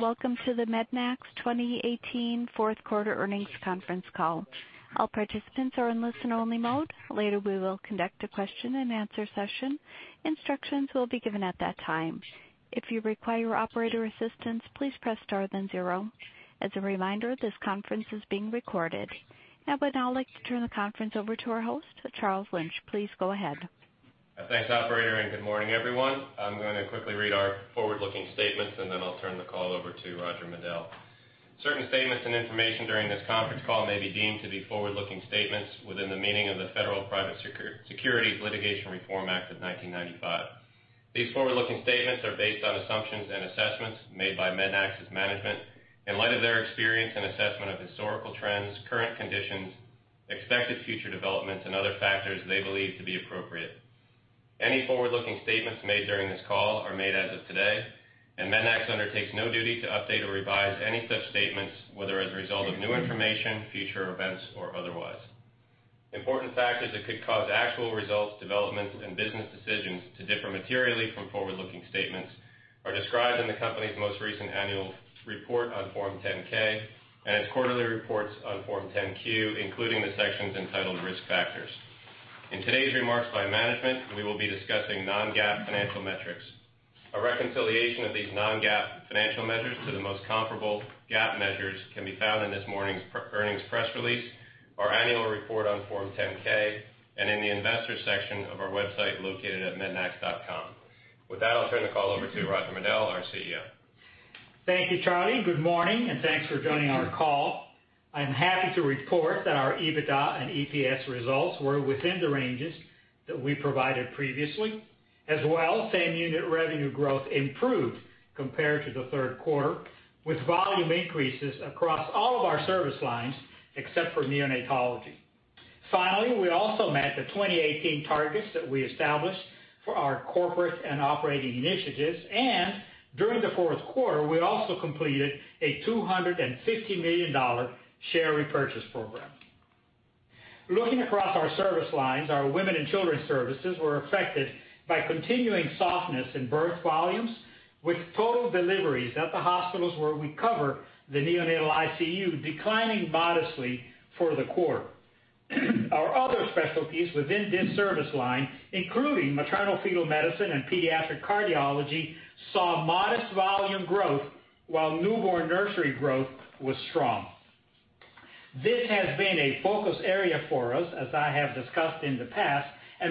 Welcome to the Mednax 2018 fourth quarter earnings conference call. All participants are in listen-only mode. Later, we will conduct a question-and-answer session. Instructions will be given at that time. If you require operator assistance, please press star then zero. As a reminder, this conference is being recorded. I would now like to turn the conference over to our host, Charles Lynch. Please go ahead. Thanks, operator. Good morning, everyone. I'm going to quickly read our forward-looking statements. I'll turn the call over to Roger Medel. Certain statements and information during this conference call may be deemed to be forward-looking statements within the meaning of the Private Securities Litigation Reform Act of 1995. These forward-looking statements are based on assumptions and assessments made by Mednax's management in light of their experience and assessment of historical trends, current conditions, expected future developments, and other factors they believe to be appropriate. Any forward-looking statements made during this call are made as of today, and Mednax undertakes no duty to update or revise any such statements, whether as a result of new information, future events, or otherwise. Important factors that could cause actual results, developments, and business decisions to differ materially from forward-looking statements are described in the company's most recent annual report on Form 10-K and its quarterly reports on Form 10-Q, including the sections entitled Risk Factors. In today's remarks by management, we will be discussing non-GAAP financial metrics. A reconciliation of these non-GAAP financial measures to the most comparable GAAP measures can be found in this morning's earnings press release, our annual report on Form 10-K, and in the Investors section of our website located at mednax.com. With that, I'll turn the call over to Roger Medel, our CEO. Thank you, Charlie. Good morning. Thanks for joining our call. I'm happy to report that our EBITDA and EPS results were within the ranges that we provided previously. As well, same unit revenue growth improved compared to the third quarter, with volume increases across all of our service lines, except for neonatology. Finally, we also met the 2018 targets that we established for our corporate and operating initiatives. During the fourth quarter, we also completed a $250 million share repurchase program. Looking across our service lines, our women and children services were affected by continuing softness in birth volumes, with total deliveries at the hospitals where we cover the neonatal ICU declining modestly for the quarter. Our other specialties within this service line, including maternal fetal medicine and pediatric cardiology, saw modest volume growth while newborn nursery growth was strong. This has been a focus area for us, as I have discussed in the past.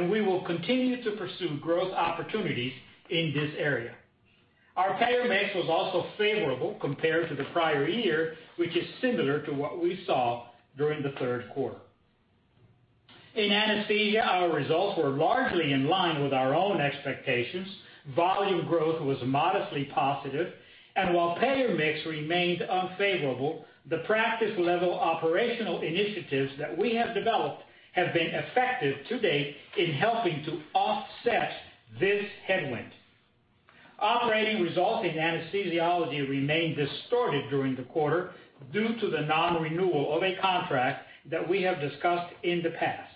We will continue to pursue growth opportunities in this area. Our payer mix was also favorable compared to the prior year, which is similar to what we saw during the third quarter. In anesthesia, our results were largely in line with our own expectations. Volume growth was modestly positive, and while payer mix remained unfavorable, the practice-level operational initiatives that we have developed have been effective to date in helping to offset this headwind. Operating results in anesthesiology remained distorted during the quarter due to the non-renewal of a contract that we have discussed in the past.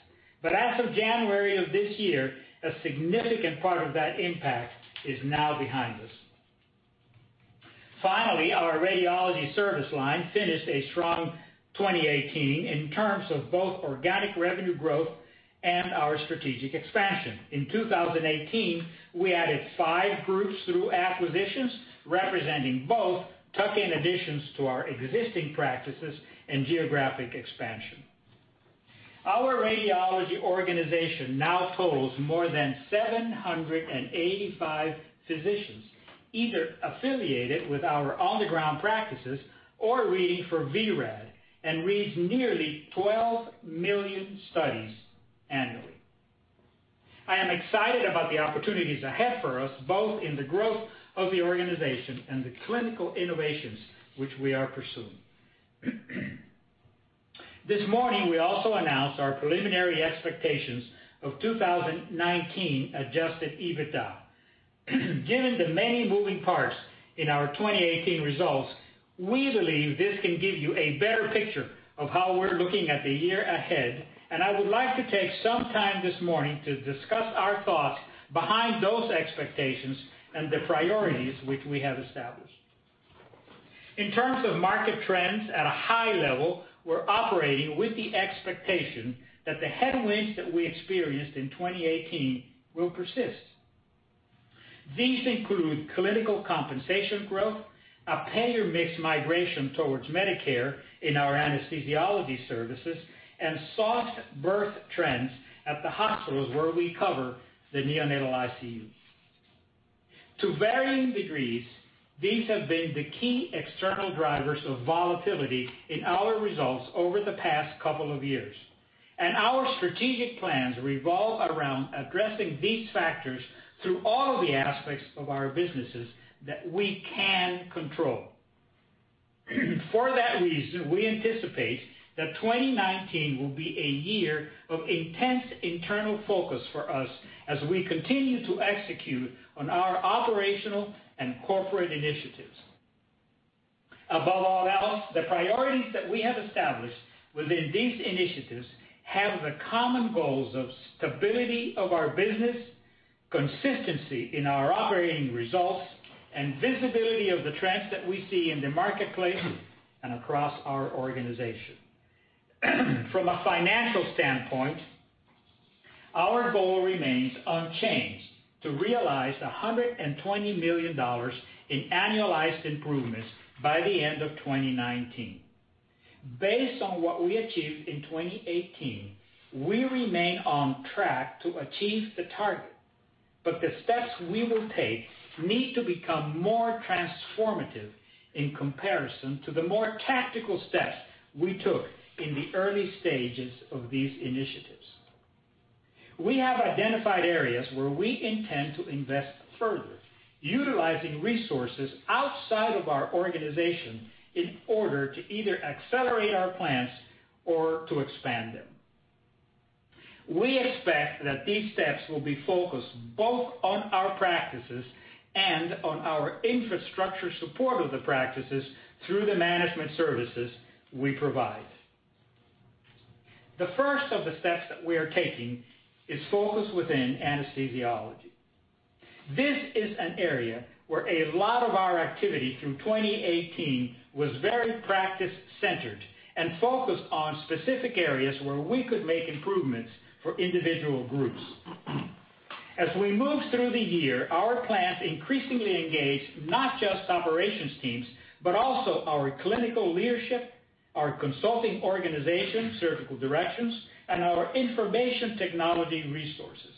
As of January of this year, a significant part of that impact is now behind us. Finally, our radiology service line finished a strong 2018 in terms of both organic revenue growth and our strategic expansion. In 2018, we added five groups through acquisitions, representing both tuck-in additions to our existing practices and geographic expansion. Our radiology organization now totals more than 785 physicians, either affiliated with our on-the-ground practices or reading for vRad and reads nearly 12 million studies annually. I am excited about the opportunities ahead for us, both in the growth of the organization and the clinical innovations which we are pursuing. This morning, we also announced our preliminary expectations of 2019 adjusted EBITDA. Given the many moving parts in our 2018 results, we believe this can give you a better picture of how we're looking at the year ahead. I would like to take some time this morning to discuss our thoughts behind those expectations and the priorities which we have established. In terms of market trends at a high level, we're operating with the expectation that the headwinds that we experienced in 2018 will persist. These include clinical compensation growth, a payer mix migration towards Medicare in our anesthesiology services, and soft birth trends at the hospitals where we cover the neonatal ICU. To varying degrees, these have been the key external drivers of volatility in our results over the past couple of years. Our strategic plans revolve around addressing these factors through all the aspects of our businesses that we can control. For that reason, we anticipate that 2019 will be a year of intense internal focus for us as we continue to execute on our operational and corporate initiatives. Above all, the priorities that we have established within these initiatives have the common goals of stability of our business, consistency in our operating results, and visibility of the trends that we see in the marketplace and across our organization. From a financial standpoint, our goal remains unchanged to realize $120 million in annualized improvements by the end of 2019. Based on what we achieved in 2018, we remain on track to achieve the target. The steps we will take need to become more transformative in comparison to the more tactical steps we took in the early stages of these initiatives. We have identified areas where we intend to invest further, utilizing resources outside of our organization in order to either accelerate our plans or to expand them. We expect that these steps will be focused both on our practices and on our infrastructure support of the practices through the management services we provide. The first of the steps that we are taking is focused within anesthesiology. This is an area where a lot of our activity through 2018 was very practice-centered and focused on specific areas where we could make improvements for individual groups. As we moved through the year, our plans increasingly engaged not just operations teams, but also our clinical leadership, our consulting organization, Surgical Directions, and our information technology resources.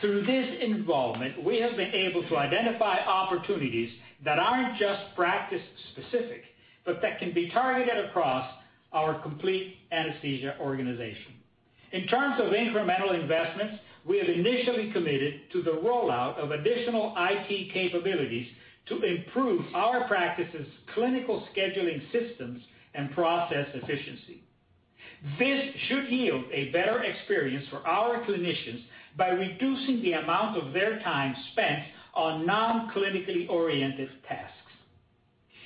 Through this involvement, we have been able to identify opportunities that aren't just practice specific, but that can be targeted across our complete anesthesia organization. In terms of incremental investments, we have initially committed to the rollout of additional IT capabilities to improve our practices' clinical scheduling systems and process efficiency. This should yield a better experience for our clinicians by reducing the amount of their time spent on non-clinically oriented tasks.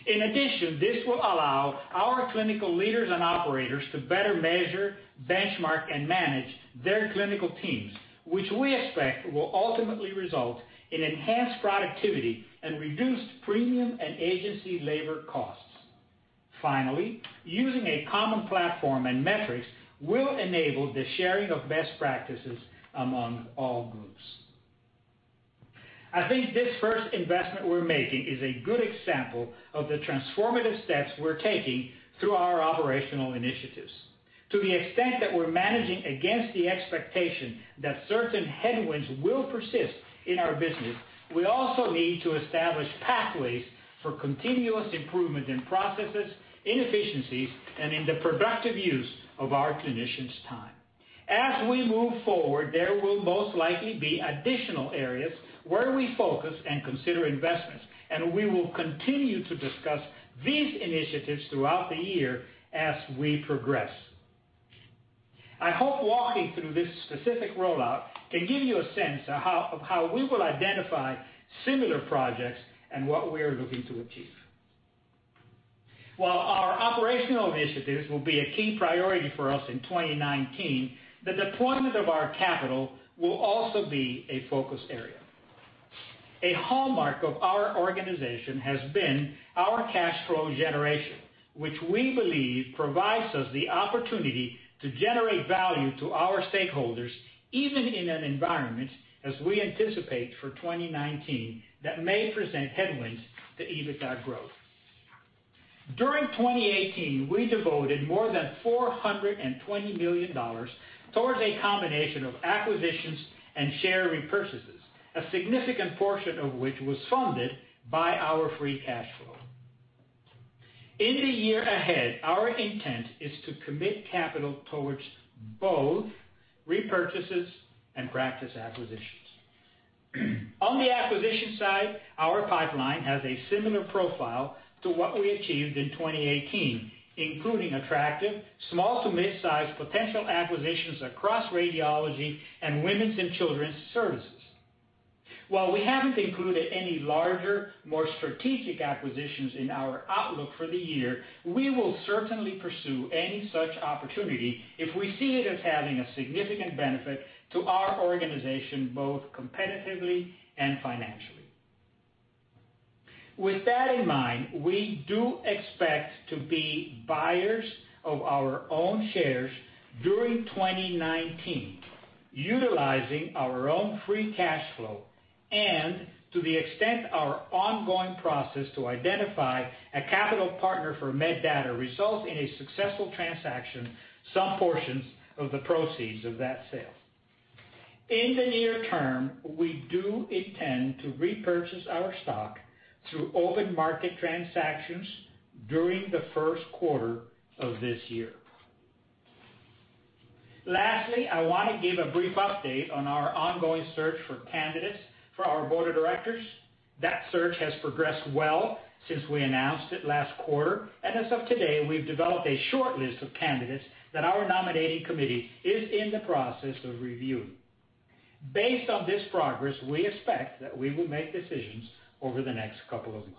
In addition, this will allow our clinical leaders and operators to better measure, benchmark, and manage their clinical teams, which we expect will ultimately result in enhanced productivity and reduced premium and agency labor costs. Finally, using a common platform and metrics will enable the sharing of best practices among all groups. I think this first investment we're making is a good example of the transformative steps we're taking through our operational initiatives. To the extent that we're managing against the expectation that certain headwinds will persist in our business, we also need to establish pathways for continuous improvement in processes, in efficiencies, and in the productive use of our clinicians' time. As we move forward, there will most likely be additional areas where we focus and consider investments, and we will continue to discuss these initiatives throughout the year as we progress. I hope walking through this specific rollout can give you a sense of how we will identify similar projects and what we are looking to achieve. While our operational initiatives will be a key priority for us in 2019, the deployment of our capital will also be a focus area. A hallmark of our organization has been our cash flow generation, which we believe provides us the opportunity to generate value to our stakeholders, even in an environment as we anticipate for 2019 that may present headwinds to EBITDA growth. During 2018, we devoted more than $420 million towards a combination of acquisitions and share repurchases, a significant portion of which was funded by our free cash flow. In the year ahead, our intent is to commit capital towards both repurchases and practice acquisitions. On the acquisition side, our pipeline has a similar profile to what we achieved in 2018, including attractive small to mid-size potential acquisitions across radiology and women's and children's services. While we haven't included any larger, more strategic acquisitions in our outlook for the year, we will certainly pursue any such opportunity if we see it as having a significant benefit to our organization, both competitively and financially. With that in mind, we do expect to be buyers of our own shares during 2019, utilizing our own free cash flow and, to the extent our ongoing process to identify a capital partner for MedData results in a successful transaction, some portions of the proceeds of that sale. In the near term, we do intend to repurchase our stock through open market transactions during the first quarter of this year. Lastly, I want to give a brief update on our ongoing search for candidates for our board of directors. That search has progressed well since we announced it last quarter, and as of today, we've developed a shortlist of candidates that our nominating committee is in the process of reviewing. Based on this progress, we expect that we will make decisions over the next couple of months.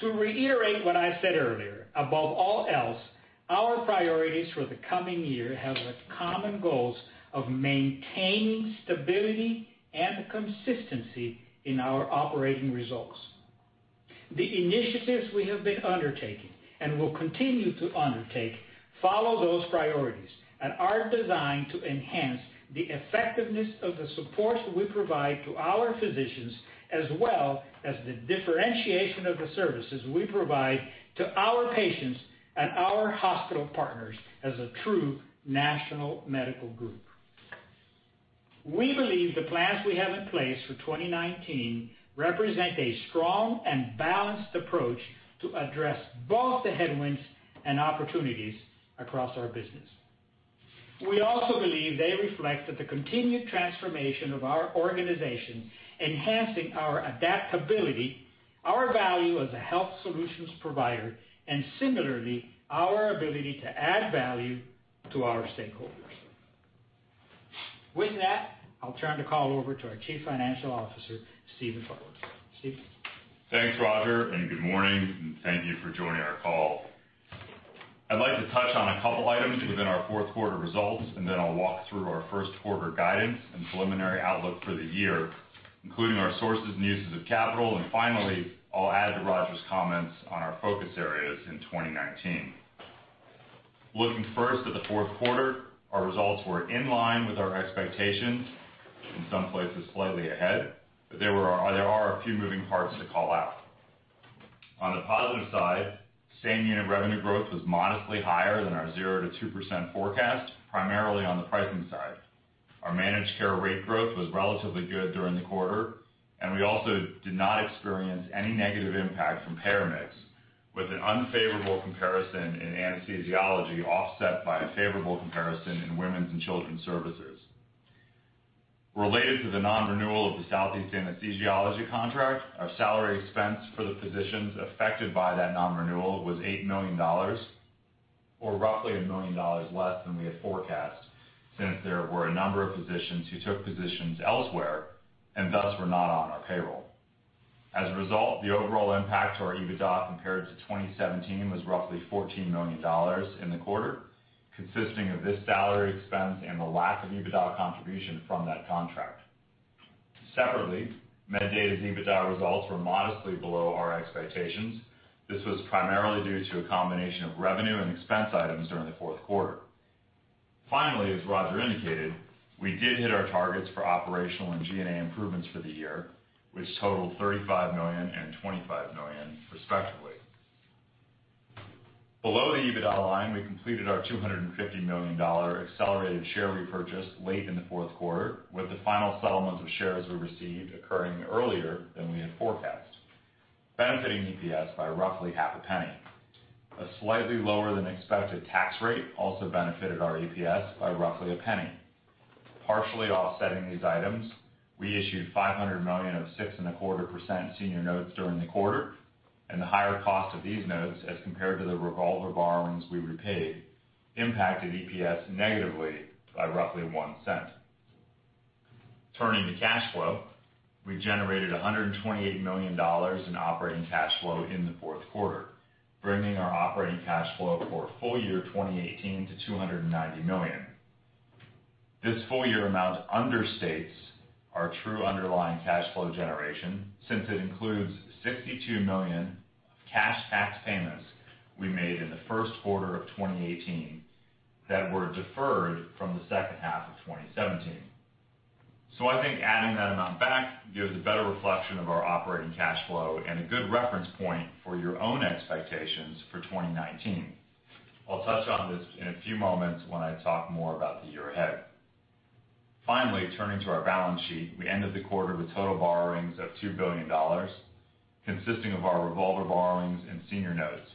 To reiterate what I said earlier, above all else, our priorities for the coming year have the common goals of maintaining stability and consistency in our operating results. The initiatives we have been undertaking, and will continue to undertake, follow those priorities and are designed to enhance the effectiveness of the support we provide to our physicians as well as the differentiation of the services we provide to our patients and our hospital partners as a true national medical group. We believe the plans we have in place for 2019 represent a strong and balanced approach to address both the headwinds and opportunities across our business. We also believe they reflect that the continued transformation of our organization, enhancing our adaptability, our value as a health solutions provider, and similarly, our ability to add value to our stakeholders. With that, I'll turn the call over to our Chief Financial Officer, Stephen Farber. Stephen? Thanks, Roger, and good morning, and thank you for joining our call. I'd like to touch on a couple items within our fourth quarter results, and then I'll walk through our first quarter guidance and preliminary outlook for the year, including our sources and uses of capital. Finally, I'll add to Roger's comments on our focus areas in 2019. Looking first at the fourth quarter, our results were in line with our expectations, in some places slightly ahead, but there are a few moving parts to call out. On the positive side, same unit revenue growth was modestly higher than our 0%-2% forecast, primarily on the pricing side. Our managed care rate growth was relatively good during the quarter, and we also did not experience any negative impact from payer mix, with an unfavorable comparison in anesthesiology offset by a favorable comparison in women's and children's services. Related to the non-renewal of the Southeast anesthesiology contract, our salary expense for the physicians affected by that non-renewal was $8 million, or roughly $1 million less than we had forecast, since there were a number of physicians who took positions elsewhere and thus were not on our payroll. As a result, the overall impact to our EBITDA compared to 2017 was roughly $14 million in the quarter, consisting of this salary expense and the lack of EBITDA contribution from that contract. Separately, MedData's EBITDA results were modestly below our expectations. This was primarily due to a combination of revenue and expense items during the fourth quarter. Finally, as Roger indicated, we did hit our targets for operational and G&A improvements for the year, which totaled $35 million and $25 million, respectively. Below the EBITDA line, we completed our $250 million accelerated share repurchase late in the fourth quarter with the final settlement of shares we received occurring earlier than we had forecast, benefiting EPS by roughly half a penny. A slightly lower than expected tax rate also benefited our EPS by roughly a penny. Partially offsetting these items, we issued $500 million of 6.25% senior notes during the quarter, and the higher cost of these notes as compared to the revolver borrowings we repaid, impacted EPS negatively by roughly $0.01. Turning to cash flow, we generated $128 million in operating cash flow in the fourth quarter, bringing our operating cash flow for full year 2018 to $290 million. This full year amount understates our true underlying cash flow generation since it includes $62 million of cash tax payments we made in the first quarter of 2018 that were deferred from the second half of 2017. I think adding that amount back gives a better reflection of our operating cash flow and a good reference point for your own expectations for 2019. I'll touch on this in a few moments when I talk more about the year ahead. Finally, turning to our balance sheet, we ended the quarter with total borrowings of $2 billion, consisting of our revolver borrowings and senior notes.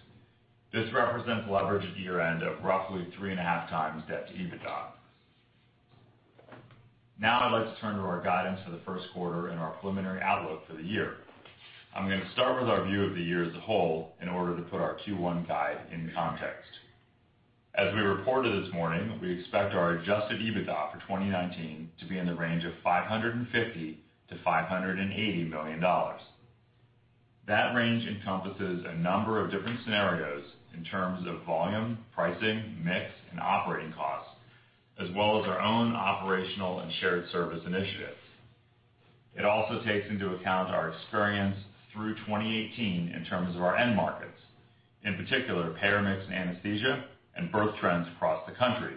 This represents leverage at year-end of roughly 3.5x debt to EBITDA. Now I'd like to turn to our guidance for the first quarter and our preliminary outlook for the year. I'm going to start with our view of the year as a whole in order to put our Q1 guide in context. As we reported this morning, we expect our adjusted EBITDA for 2019 to be in the range of $550 million-$580 million. That range encompasses a number of different scenarios in terms of volume, pricing, mix, and operating costs, as well as our own operational and shared service initiatives. It also takes into account our experience through 2018 in terms of our end markets, in particular, payer mix in anesthesia and birth trends across the country.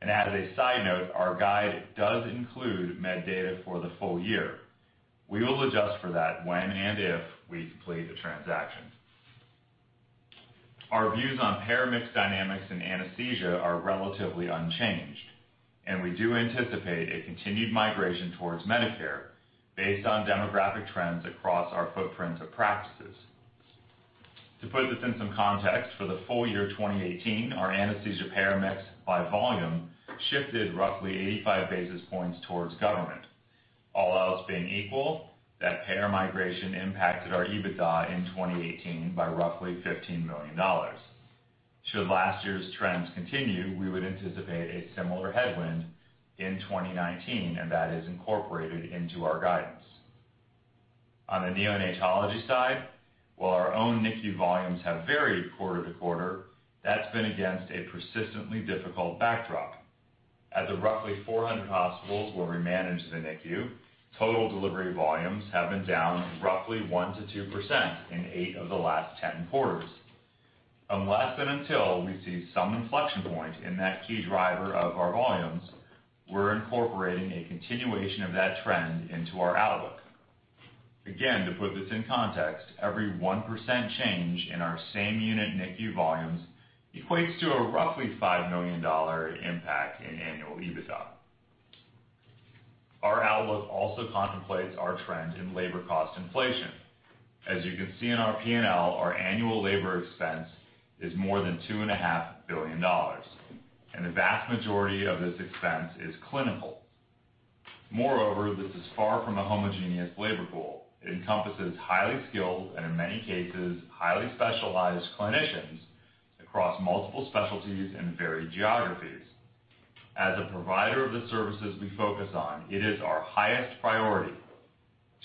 As a side note, our guide does include MedData for the full year. We will adjust for that when and if we complete the transaction. Our views on payer mix dynamics and anesthesia are relatively unchanged. We do anticipate a continued migration towards Medicare based on demographic trends across our footprints of practices. To put this in some context, for the full year 2018, our anesthesia payer mix by volume shifted roughly 85 basis points towards government. All else being equal, that payer migration impacted our EBITDA in 2018 by roughly $15 million. Should last year's trends continue, we would anticipate a similar headwind in 2019. That is incorporated into our guidance. On the neonatology side, while our own NICU volumes have varied quarter to quarter, that's been against a persistently difficult backdrop. At the roughly 400 hospitals where we manage the NICU, total delivery volumes have been down roughly 1%-2% in eight of the last 10 quarters. Unless and until we see some inflection point in that key driver of our volumes, we're incorporating a continuation of that trend into our outlook. Again, to put this in context, every 1% change in our same-unit NICU volumes equates to a roughly $5 million impact in annual EBITDA. Our outlook also contemplates our trend in labor cost inflation. As you can see in our P&L, our annual labor expense is more than $2.5 billion, and the vast majority of this expense is clinical. Moreover, this is far from a homogeneous labor pool. It encompasses highly skilled, and in many cases, highly specialized clinicians across multiple specialties and varied geographies. As a provider of the services we focus on, it is our highest priority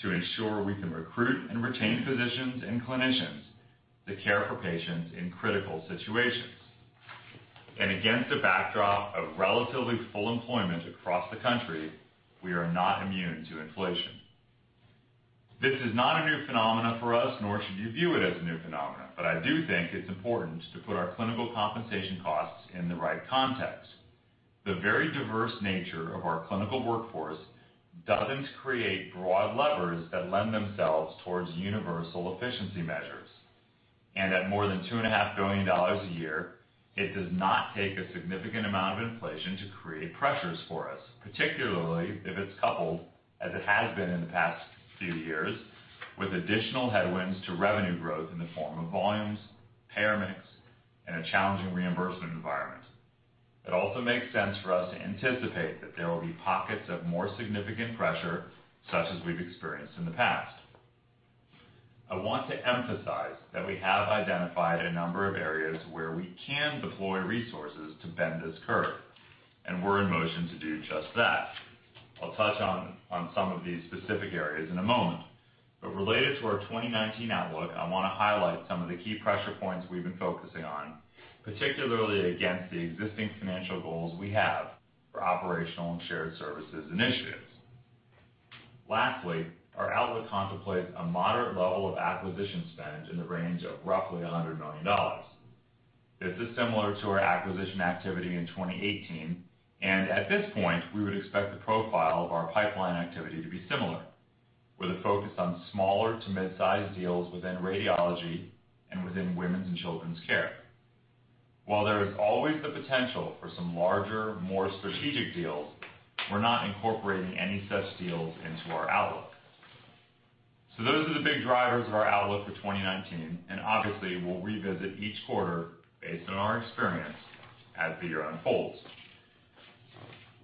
to ensure we can recruit and retain physicians and clinicians to care for patients in critical situations. Against a backdrop of relatively full employment across the country, we are not immune to inflation. This is not a new phenomenon for us, nor should you view it as a new phenomenon. I do think it's important to put our clinical compensation costs in the right context. The very diverse nature of our clinical workforce doesn't create broad levers that lend themselves towards universal efficiency measures. At more than $2.5 billion a year, it does not take a significant amount of inflation to create pressures for us, particularly if it's coupled, as it has been in the past few years, with additional headwinds to revenue growth in the form of volumes, payer mix, and a challenging reimbursement environment. It also makes sense for us to anticipate that there will be pockets of more significant pressure, such as we've experienced in the past. I want to emphasize that we have identified a number of areas where we can deploy resources to bend this curve, and we're in motion to do just that. I'll touch on some of these specific areas in a moment. Related to our 2019 outlook, I want to highlight some of the key pressure points we've been focusing on, particularly against the existing financial goals we have for operational and shared services initiatives. Lastly, our outlook contemplates a moderate level of acquisition spend in the range of roughly $100 million. This is similar to our acquisition activity in 2018, and at this point, we would expect the profile of our pipeline activity to be similar, with a focus on smaller to mid-size deals within radiology and within women's and children's care. While there is always the potential for some larger, more strategic deals, we're not incorporating any such deals into our outlook. Those are the big drivers of our outlook for 2019, and obviously, we'll revisit each quarter based on our experience as the year unfolds.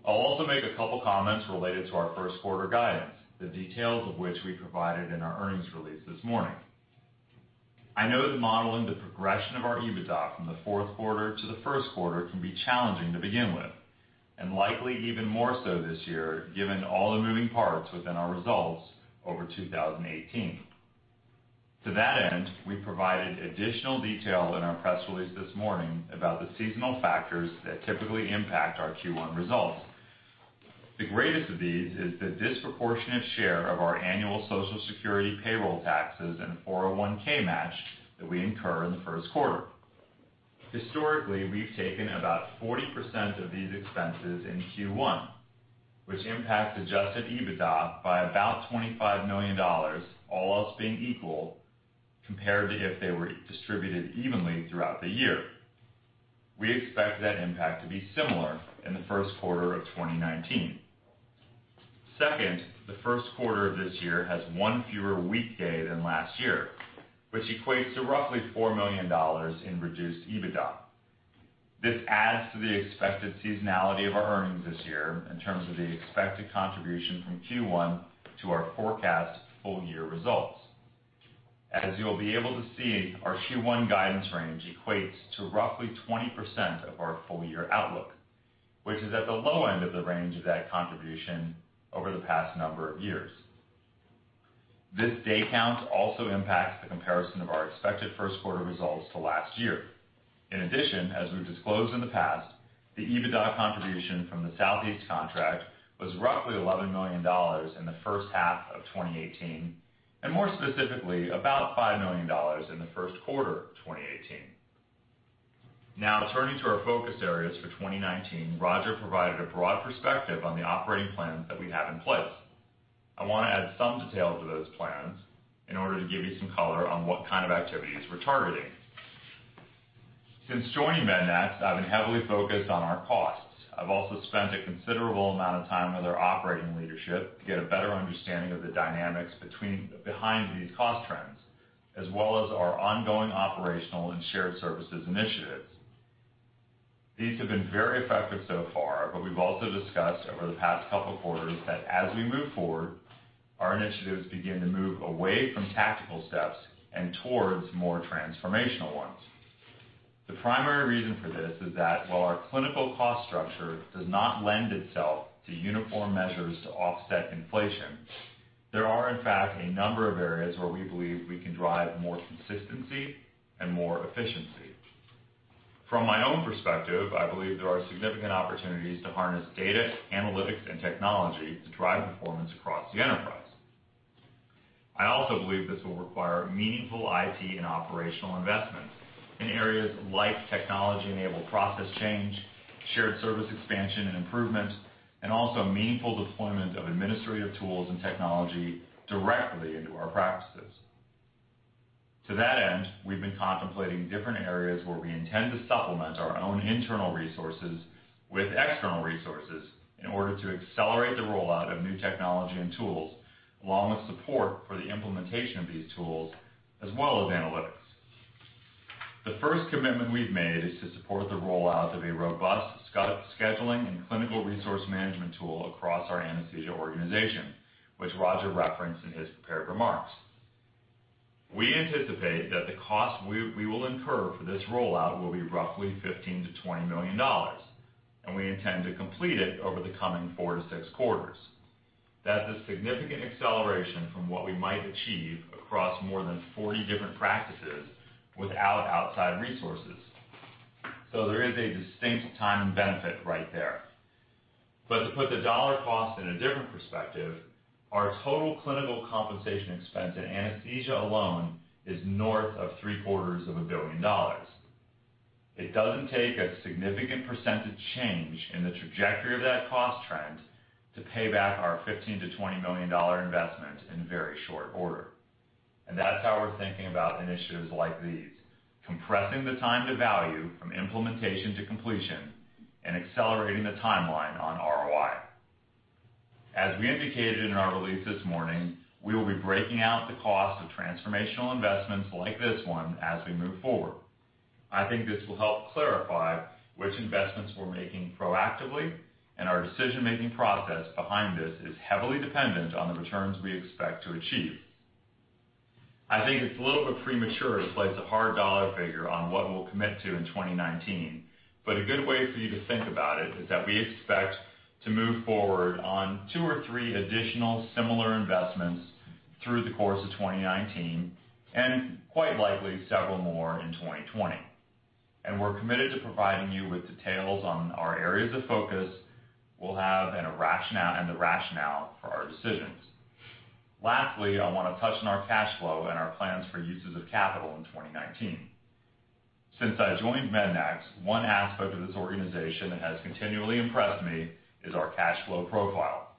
I'll also make a couple comments related to our first quarter guidance, the details of which we provided in our earnings release this morning. I know that modeling the progression of our EBITDA from the fourth quarter to the first quarter can be challenging to begin with, and likely even more so this year, given all the moving parts within our results over 2018. To that end, we provided additional detail in our press release this morning about the seasonal factors that typically impact our Q1 results. The greatest of these is the disproportionate share of our annual Social Security payroll taxes and 401 match that we incur in the first quarter. Historically, we've taken about 40% of these expenses in Q1, which impacts adjusted EBITDA by about $25 million, all else being equal, compared to if they were distributed evenly throughout the year. We expect that impact to be similar in the first quarter of 2019. The first quarter of this year has one fewer weekday than last year, which equates to roughly $4 million in reduced EBITDA. This adds to the expected seasonality of our earnings this year in terms of the expected contribution from Q1 to our forecast full-year results. As you'll be able to see, our Q1 guidance range equates to roughly 20% of our full-year outlook, which is at the low end of the range of that contribution over the past number of years. This day count also impacts the comparison of our expected first quarter results to last year. In addition, as we've disclosed in the past, the EBITDA contribution from the Southeast contract was roughly $11 million in the first half of 2018, and more specifically, about $5 million in the first quarter of 2018. Turning to our focus areas for 2019, Roger provided a broad perspective on the operating plans that we have in place. I want to add some detail to those plans in order to give you some color on what kind of activities we're targeting. Since joining Mednax, I've been heavily focused on our costs. I've also spent a considerable amount of time with our operating leadership to get a better understanding of the dynamics behind these cost trends, as well as our ongoing operational and shared services initiatives. These have been very effective so far, we've also discussed over the past couple quarters that as we move forward, our initiatives begin to move away from tactical steps and towards more transformational ones. The primary reason for this is that while our clinical cost structure does not lend itself to uniform measures to offset inflation, there are, in fact, a number of areas where we believe we can drive more consistency and more efficiency. From my own perspective, I believe there are significant opportunities to harness data, analytics, and technology to drive performance across the enterprise. I also believe this will require meaningful IT and operational investments in areas like technology-enabled process change, shared service expansion and improvement, and also meaningful deployment of administrative tools and technology directly into our practices. To that end, we've been contemplating different areas where we intend to supplement our own internal resources with external resources in order to accelerate the rollout of new technology and tools, along with support for the implementation of these tools, as well as analytics. The first commitment we've made is to support the rollout of a robust scheduling and clinical resource management tool across our anesthesia organization, which Roger referenced in his prepared remarks. We anticipate that the cost we will incur for this rollout will be roughly $15 million-$20 million, and we intend to complete it over the coming four to six quarters. That's a significant acceleration from what we might achieve across more than 40 different practices without outside resources. There is a distinct time and benefit right there. To put the dollar cost in a different perspective, our total clinical compensation expense in anesthesia alone is north of three-quarters of a billion dollars. It doesn't take a significant percentage change in the trajectory of that cost trend to pay back our $15 million to $20 million investment in very short order. That's how we're thinking about initiatives like these, compressing the time to value from implementation to completion and accelerating the timeline on ROI. As we indicated in our release this morning, we will be breaking out the cost of transformational investments like this one as we move forward. I think this will help clarify which investments we're making proactively and our decision-making process behind this is heavily dependent on the returns we expect to achieve. I think it's a little bit premature to place a hard dollar figure on what we'll commit to in 2019, a good way for you to think about it is that we expect to move forward on two or three additional similar investments through the course of 2019 and quite likely several more in 2020. We're committed to providing you with details on our areas of focus, we'll have and the rationale for our decisions. Lastly, I want to touch on our cash flow and our plans for uses of capital in 2019. Since I joined Pediatrix Medical Group, one aspect of this organization that has continually impressed me is our cash flow profile.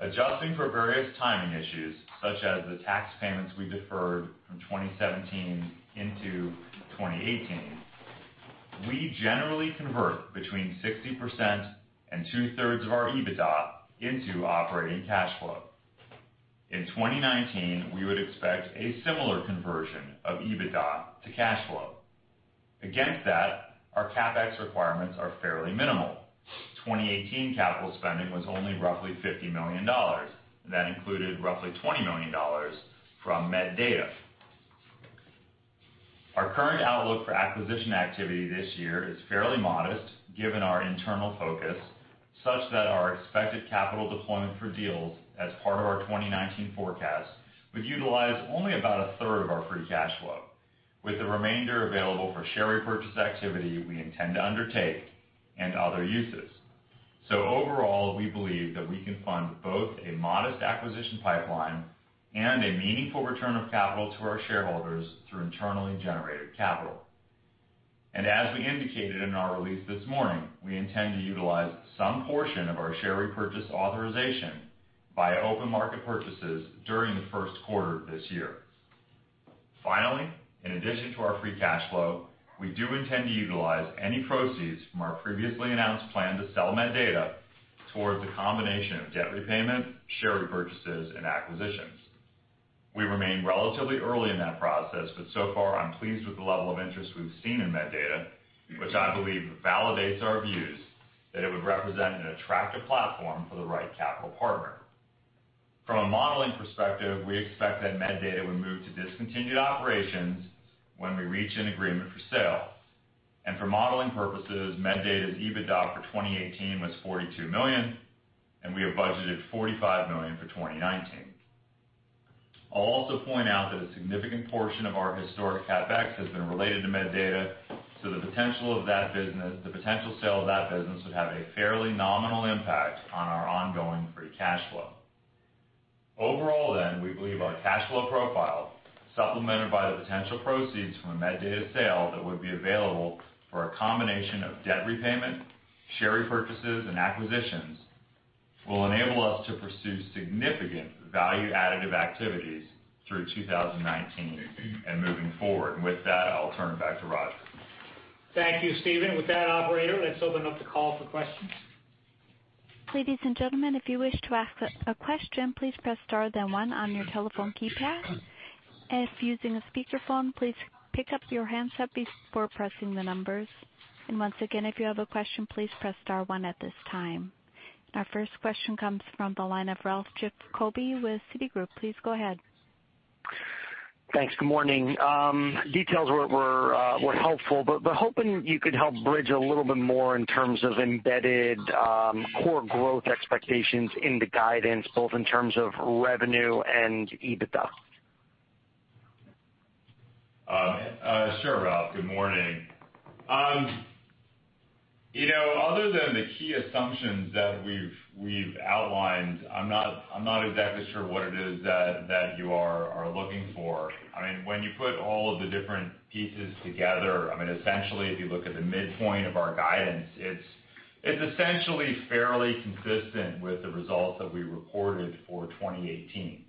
Adjusting for various timing issues, such as the tax payments we deferred from 2017 into 2018, we generally convert between 60% and two-thirds of our EBITDA into operating cash flow. In 2019, we would expect a similar conversion of EBITDA to cash flow. Against that, our CapEx requirements are fairly minimal. 2018 capital spending was only roughly $50 million. That included roughly $20 million from MedData. Our current outlook for acquisition activity this year is fairly modest given our internal focus, such that our expected capital deployment for deals as part of our 2019 forecast would utilize only about a third of our free cash flow, with the remainder available for share repurchase activity we intend to undertake and other uses. Overall, we believe that we can fund both a modest acquisition pipeline and a meaningful return of capital to our shareholders through internally generated capital. As we indicated in our release this morning, we intend to utilize some portion of our share repurchase authorization via open market purchases during the first quarter of this year. Finally, in addition to our free cash flow, we do intend to utilize any proceeds from our previously announced plan to sell MedData towards a combination of debt repayment, share repurchases, and acquisitions. We remain relatively early in that process, so far I'm pleased with the level of interest we've seen in MedData, which I believe validates our views that it would represent an attractive platform for the right capital partner. From a modeling perspective, we expect that MedData would move to discontinued operations when we reach an agreement for sale. For modeling purposes, MedData's EBITDA for 2018 was $42 million, and we have budgeted $45 million for 2019. I'll also point out that a significant portion of our historic CapEx has been related to MedData, so the potential sale of that business would have a fairly nominal impact on our ongoing free cash flow. Overall then, we believe our cash flow profile, supplemented by the potential proceeds from a MedData sale that would be available for a combination of debt repayment, share repurchases, and acquisitions, will enable us to pursue significant value-additive activities through 2019 and moving forward. With that, I'll turn it back to Roger. Thank you, Stephen. With that, operator, let's open up the call for questions. Ladies and gentlemen, if you wish to ask a question, please press star then one on your telephone keypad. If using a speakerphone, please pick up your handset before pressing the numbers. Once again, if you have a question, please press star one at this time. Our first question comes from the line of Ralph Giacobbe with Citigroup. Please go ahead. Thanks. Good morning. Details were helpful, hoping you could help bridge a little bit more in terms of embedded core growth expectations in the guidance, both in terms of revenue and EBITDA. Sure, Ralph. Good morning. Other than the key assumptions that we've outlined, I'm not exactly sure what it is that you are looking for. When you put all of the different pieces together, essentially, if you look at the midpoint of our guidance, it's essentially fairly consistent with the results that we reported for 2018.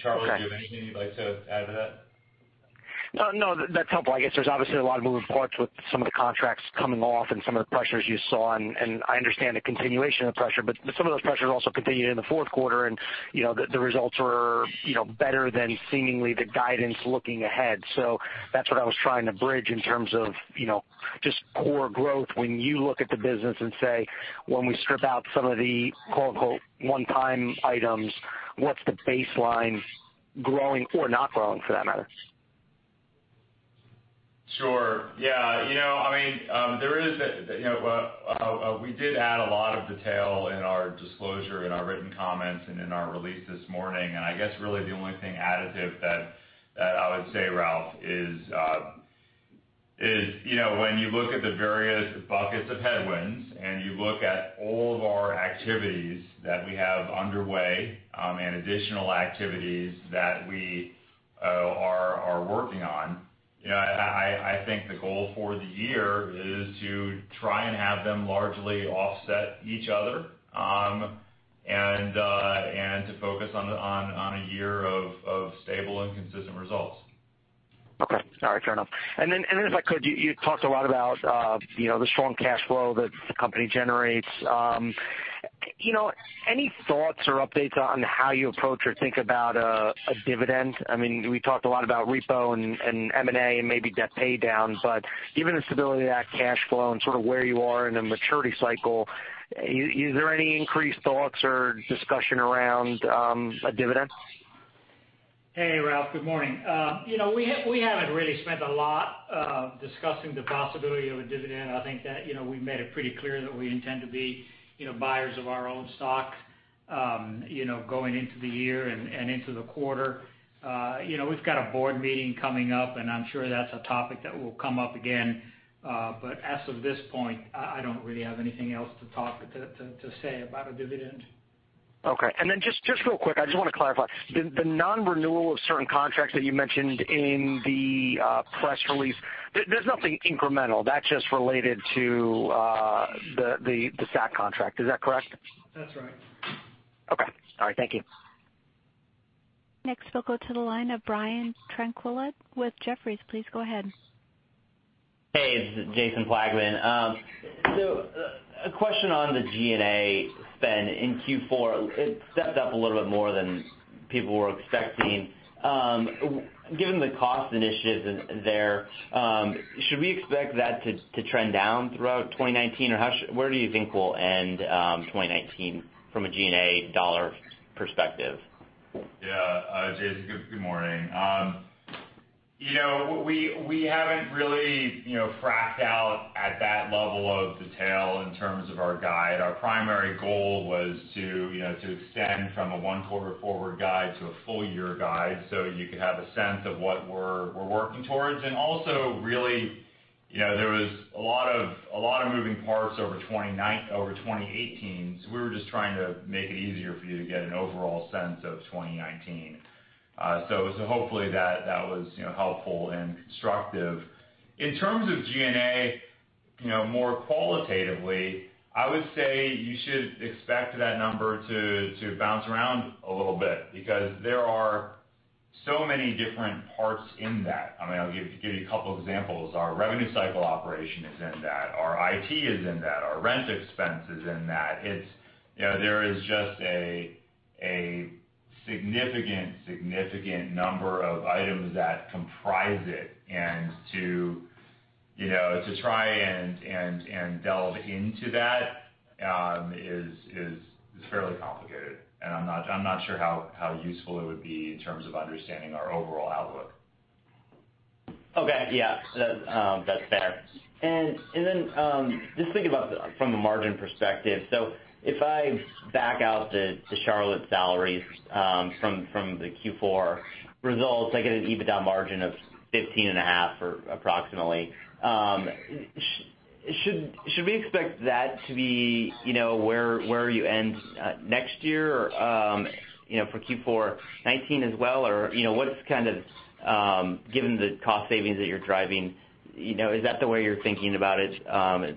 Charlie, do you have anything you'd like to add to that? No, that's helpful. I guess there's obviously a lot of moving parts with some of the contracts coming off and some of the pressures you saw, and I understand the continuation of pressure, but some of those pressures also continued in the fourth quarter. The results were better than seemingly the guidance looking ahead. That's what I was trying to bridge in terms of just core growth when you look at the business and say, when we strip out some of the "one-time items," what's the baseline growing or not growing for that matter? Sure. Yeah. We did add a lot of detail in our disclosure, in our written comments, and in our release this morning. I guess really the only thing additive that I would say, Ralph, is when you look at the various buckets of headwinds and you look at all of our activities that we have underway and additional activities that we are working on, I think the goal for the year is to try and have them largely offset each other, and to focus on a year of stable and consistent results. Okay. All right, fair enough. Then if I could, you talked a lot about the strong cash flow that the company generates. Any thoughts or updates on how you approach or think about a dividend? We talked a lot about repo and M&A and maybe debt pay down, given the stability of that cash flow and sort of where you are in the maturity cycle, is there any increased thoughts or discussion around a dividend? Hey, Ralph. Good morning. We haven't really spent a lot discussing the possibility of a dividend. I think that we've made it pretty clear that we intend to be buyers of our own stock going into the year and into the quarter. We've got a board meeting coming up, and I'm sure that's a topic that will come up again. As of this point, I don't really have anything else to say about a dividend. Okay. Just real quick, I just want to clarify, the non-renewal of certain contracts that you mentioned in the press release, there's nothing incremental. That's just related to the SAC contract. Is that correct? That's right. Okay. All right. Thank you. Next, we'll go to the line of Brian Tanquilut with Jefferies. Please go ahead. Hey, it's Jason Plagman. A question on the G&A spend in Q4, it stepped up a little bit more than people were expecting. Given the cost initiatives there, should we expect that to trend down throughout 2019? Or where do you think we'll end 2019 from a G&A dollar perspective? Yeah. Jason, good morning. We haven't really fleshed out at that level of detail in terms of our guide. Our primary goal was to extend from a one quarter forward guide to a full year guide so you could have a sense of what we're working towards. Also really, there was a lot of moving parts over 2018, we were just trying to make it easier for you to get an overall sense of 2019. Hopefully that was helpful and constructive. In terms of G&A, more qualitatively, I would say you should expect that number to bounce around a little bit because there are so many different parts in that. I'll give you a couple examples. Our revenue cycle operation is in that, our IT is in that, our rent expense is in that. There is just a significant number of items that comprise it, and to try and delve into that is fairly complicated, and I'm not sure how useful it would be in terms of understanding our overall outlook. Okay. Yeah. That's fair. Just thinking about from the margin perspective, if I back out the Charlotte salaries from the Q4 results, I get an EBITDA margin of 15 and a half approximately. Should we expect that to be where you end next year for Q4 2019 as well? What's given the cost savings that you're driving, is that the way you're thinking about it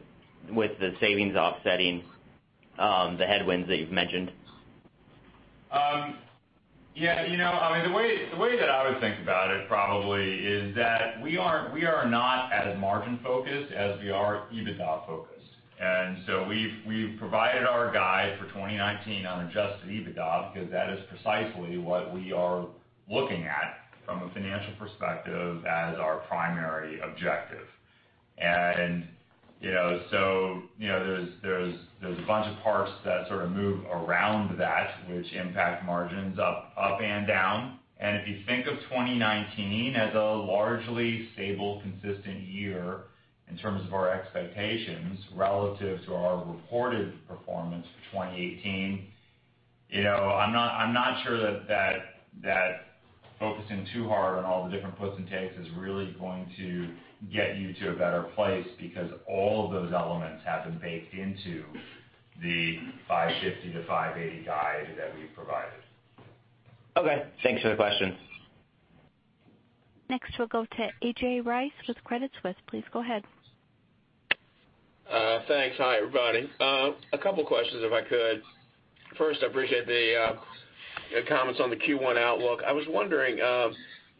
with the savings offsetting the headwinds that you've mentioned? Yeah. The way that I would think about it probably is that we are not as margin-focused as we are EBITDA-focused. We've provided our guide for 2019 on adjusted EBITDA, because that is precisely what we are looking at from a financial perspective as our primary objective. There's a bunch of parts that move around that, which impact margins up and down. If you think of 2019 as a largely stable, consistent year in terms of our expectations relative to our reported performance for 2018, I'm not sure that focusing too hard on all the different puts and takes is really going to get you to a better place, because all of those elements have been baked into the $550-$580 guide that we've provided. Okay. Thanks for the question. Next, we'll go to A.J. Rice with Credit Suisse. Please go ahead. Thanks. Hi, everybody. A couple questions, if I could. First, I appreciate the comments on the Q1 outlook. I was wondering,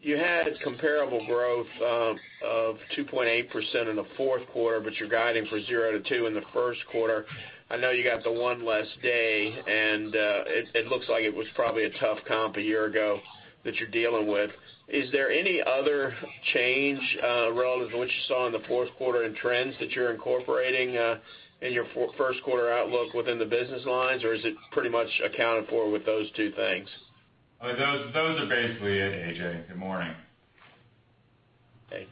you had comparable growth of 2.8% in the fourth quarter, but you're guiding for 0%-2% in the first quarter. I know you got the one less day, and it looks like it was probably a tough comp a year ago that you're dealing with. Is there any other change relative to what you saw in the fourth quarter and trends that you're incorporating in your first quarter outlook within the business lines, or is it pretty much accounted for with those two things? Those are basically it, AJ. Good morning. Hey.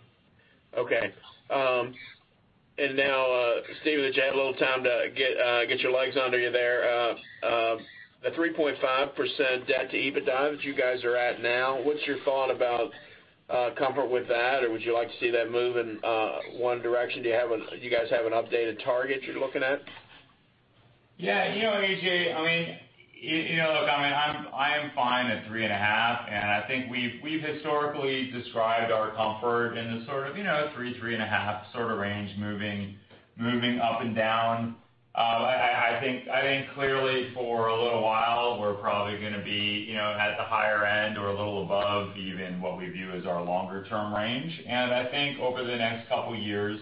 Okay. Now, Steve, that you had a little time to get your legs under you there. The 3.5% debt to EBITDA that you guys are at now, what's your thought about comfort with that, or would you like to see that move in one direction? Do you guys have an updated target you're looking at? Yeah. AJ, look, I am fine at three and a half, and I think we've historically described our comfort in the sort of three and a half sort of range, moving up and down. I think clearly for a little while, we're probably going to be at the higher end or a little above even what we view as our longer-term range. I think over the next couple of years,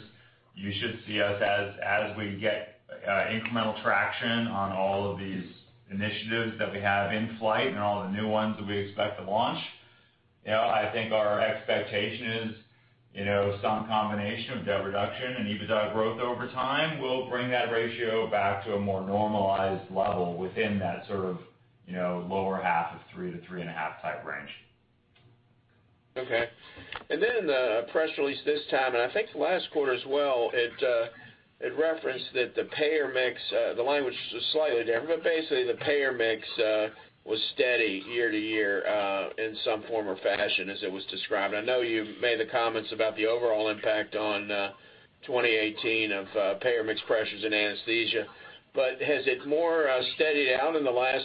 you should see us as we get incremental traction on all of these initiatives that we have in flight and all the new ones that we expect to launch. I think our expectation is some combination of debt reduction and EBITDA growth over time will bring that ratio back to a more normalized level within that sort of lower half of three to three and a half type range. Okay. In the press release this time, and I think last quarter as well, it referenced that the payer mix, the language was slightly different, but basically the payer mix was steady year to year in some form or fashion as it was described. I know you've made the comments about the overall impact on 2018 of payer mix pressures and anesthesia. Has it more steadied out in the last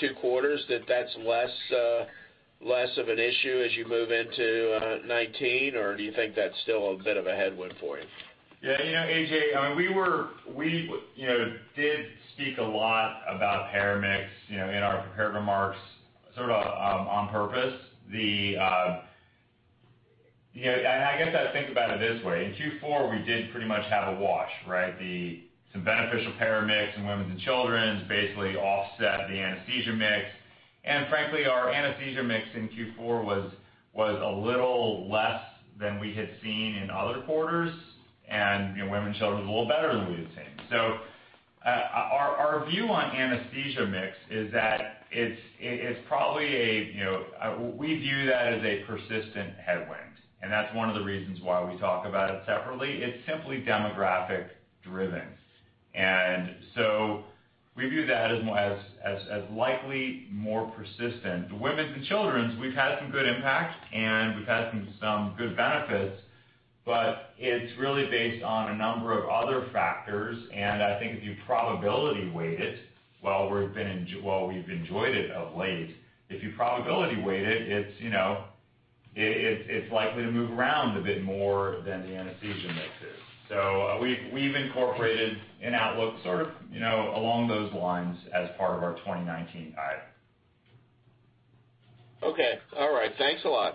two quarters that that's less of an issue as you move into 2019? Do you think that's still a bit of a headwind for you? Yeah. A.J., we did speak a lot about payer mix in our prepared remarks sort of on purpose. I guess I'd think about it this way. In Q4, we did pretty much have a wash, right? Some beneficial payer mix in Women's and Children's basically offset the anesthesia mix. Frankly, our anesthesia mix in Q4 was a little less than we had seen in other quarters, and Women's and Children's a little better than we had seen. Our view on anesthesia mix is that it's probably, we view that as a persistent headwind, and that's one of the reasons why we talk about it separately. It's simply demographic driven. We view that as likely more persistent. The Women's and Children's, we've had some good impact, and we've had some good benefits, but it's really based on a number of other factors. I think if you probability weight it, while we've enjoyed it of late, if you probability weight it's likely to move around a bit more than the anesthesia mix is. We've incorporated an outlook sort of along those lines as part of our 2019 guide. Okay. All right. Thanks a lot.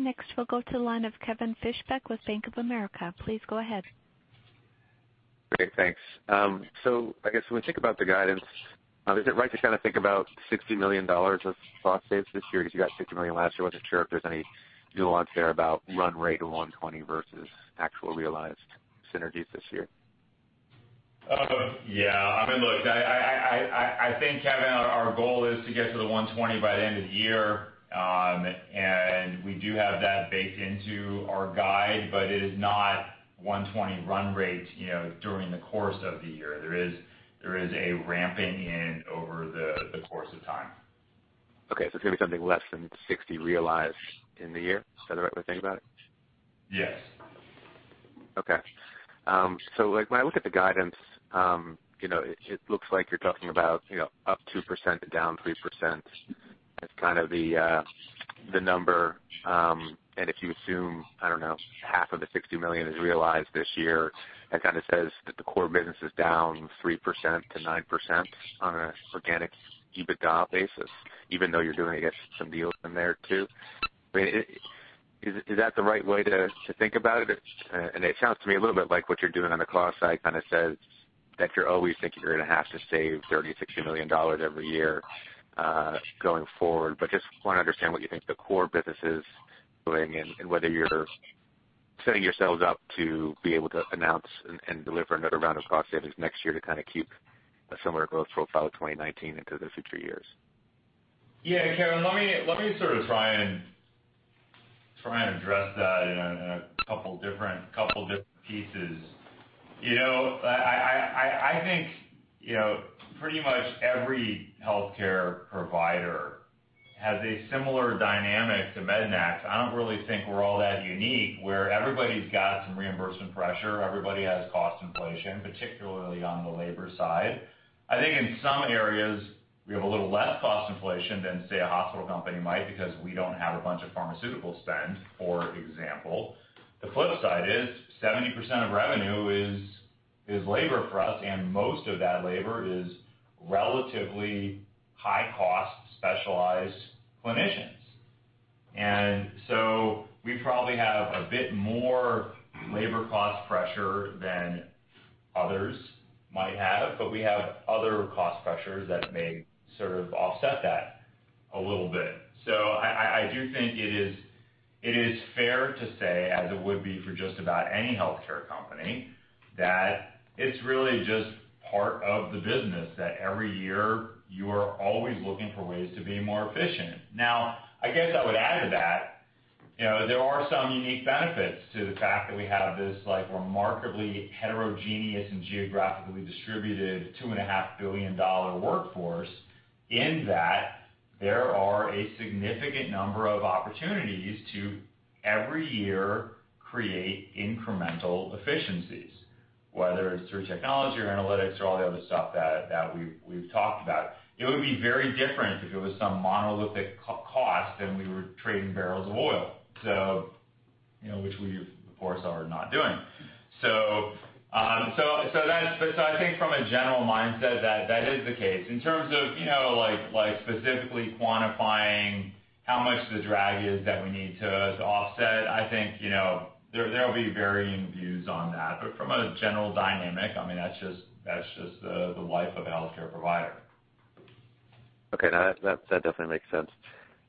Next, we'll go to the line of Kevin Fischbeck with Bank of America. Please go ahead. I guess when we think about the guidance, is it right to kind of think about $60 million of cost saves this year because you got $60 million last year? Wasn't sure if there's any nuance there about run rate of $120 versus actual realized synergies this year. Yeah. Look, I think, Kevin, our goal is to get to the $120 by the end of the year. We do have that baked into our guide, but it is not $120 run rate during the course of the year. There is a ramping in over the course of time. Okay, it's going to be something less than $60 realized in the year? Is that the right way to think about it? Yes. When I look at the guidance, it looks like you're talking about up 2% to down 3%. That's kind of the number. If you assume, I don't know, half of the $60 million is realized this year, that kind of says that the core business is down 3% to 9% on an organic EBITDA basis, even though you're doing, I guess, some deals in there too. Is that the right way to think about it? It sounds to me a little bit like what you're doing on the cost side kind of says that you're always thinking you're going to have to save $30 million-$60 million every year, going forward. Just want to understand what you think the core business is doing and whether you're setting yourselves up to be able to announce and deliver another round of cost savings next year to kind of keep a similar growth profile 2019 into the future years. Kevin, let me sort of try and address that in a couple different pieces. I think, pretty much every healthcare provider has a similar dynamic to Mednax. I don't really think we're all that unique, where everybody's got some reimbursement pressure, everybody has cost inflation, particularly on the labor side. I think in some areas, we have a little less cost inflation than, say, a hospital company might because we don't have a bunch of pharmaceutical spend, for example. The flip side is 70% of revenue is labor for us, and most of that labor is relatively high-cost, specialized clinicians. We probably have a bit more labor cost pressure than others might have, but we have other cost pressures that may sort of offset that a little bit. I do think it is fair to say, as it would be for just about any healthcare company, that it's really just part of the business that every year you are always looking for ways to be more efficient. Now, I guess I would add to that, there are some unique benefits to the fact that we have this remarkably heterogeneous and geographically distributed $2.5 billion workforce, in that there are a significant number of opportunities to, every year, create incremental efficiencies, whether it's through technology or analytics or all the other stuff that we've talked about. It would be very different if it was some monolithic cost and we were trading barrels of oil, which we of course are not doing. I think from a general mindset, that is the case. In terms of specifically quantifying how much the drag is that we need to offset, I think there will be varying views on that. From a general dynamic, that's just the life of a healthcare provider. Okay. No, that definitely makes sense.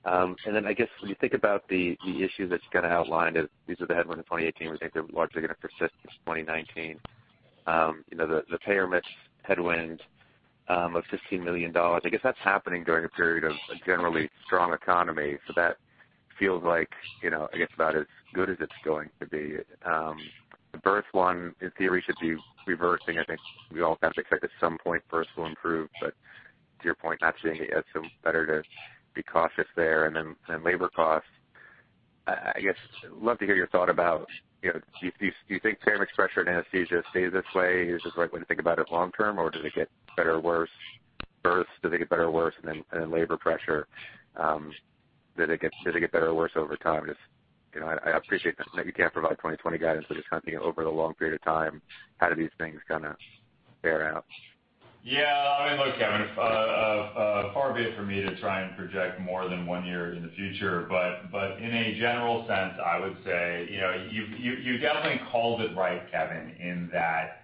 I guess when you think about the issue that you kind of outlined, these are the headwinds in 2018, we think they're largely going to persist through 2019. The payer mix headwind of $15 million, I guess that's happening during a period of a generally strong economy. That feels like, I guess about as good as it's going to be. The birth one, in theory, should be reversing. I think we all kind of expect at some point births will improve. To your point, not seeing it yet, better to be cautious there. Labor costs, I guess, love to hear your thought about, do you think payer mix pressure and anesthesia stay this way? Is this the right way to think about it long term, or does it get better or worse? Births, do they get better or worse? Labor pressure, does it get better or worse over time? I appreciate that maybe you can't provide 2020 guidance, just kind of thinking over the long period of time, how do these things kind of bear out? Yeah. Look, Kevin, far be it for me to try and project more than one year in the future, in a general sense, I would say, you definitely called it right, Kevin, in that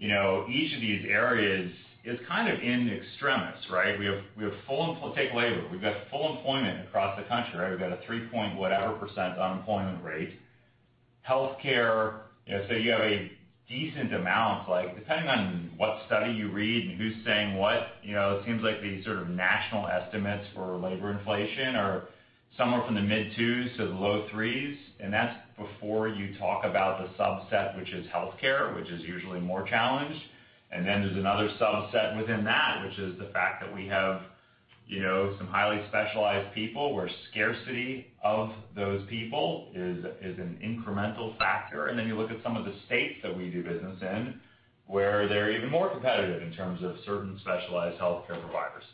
each of these areas is kind of in extremis, right? Take labor. We've got full employment across the country, right? We've got a three-point whatever % unemployment rate. Healthcare, you have a decent amount, depending on what study you read and who's saying what, it seems like the sort of national estimates for labor inflation are somewhere from the mid twos to the low threes, that's before you talk about the subset, which is healthcare, which is usually more challenged. There's another subset within that, which is the fact that we have some highly specialized people, where scarcity of those people is an incremental factor. You look at some of the states that we do business in, where they're even more competitive in terms of certain specialized healthcare providers.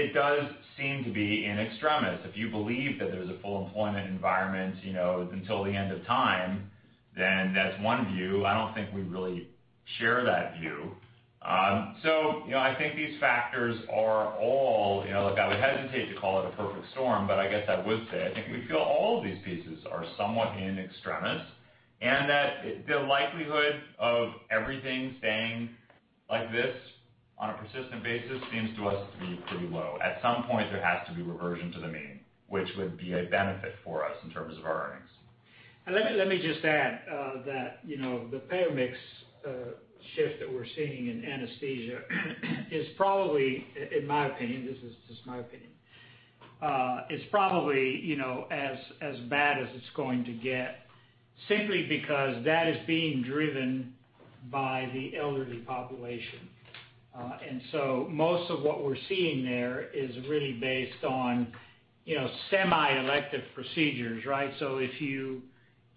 It does seem to be in extremis. If you believe that there's a full employment environment until the end of time, that's one view. I don't think we really share that view. I think these factors are all, look, I would hesitate to call it a perfect storm, but I guess I would say, I think we feel all of these pieces are somewhat in extremis, and that the likelihood of everything staying like this on a persistent basis seems to us to be pretty low. At some point, there has to be reversion to the mean, which would be a benefit for us in terms of our earnings. Let me just add that the payer mix shift that we're seeing in anesthesia is probably, in my opinion, this is just my opinion, it's probably as bad as it's going to get, simply because that is being driven by the elderly population. Most of what we're seeing there is really based on semi-elective procedures, right?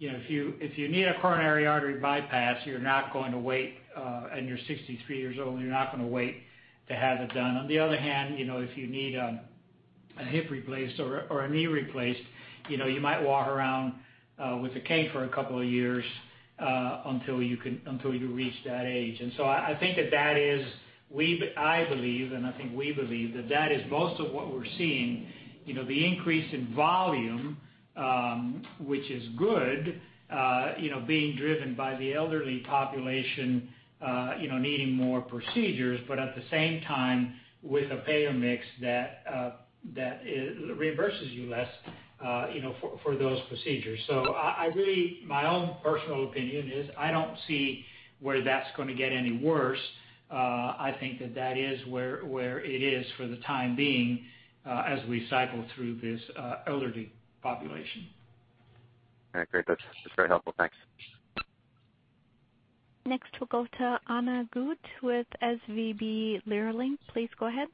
If you need a coronary artery bypass and you're 63 years old, you're not going to wait to have it done. On the other hand, if you need a hip replaced or a knee replaced, you might walk around with a cane for a couple of years until you reach that age. I think that I believe, and I think we believe, that is most of what we're seeing. The increase in volume, which is good, being driven by the elderly population needing more procedures, but at the same time, with a payer mix that reimburses you less for those procedures. My own personal opinion is I don't see where that's going to get any worse. I think that is where it is for the time being as we cycle through this elderly population. All right. Great. That's very helpful. Thanks. Next, we'll go to Anna Guth with SVB Leerink. Please go ahead.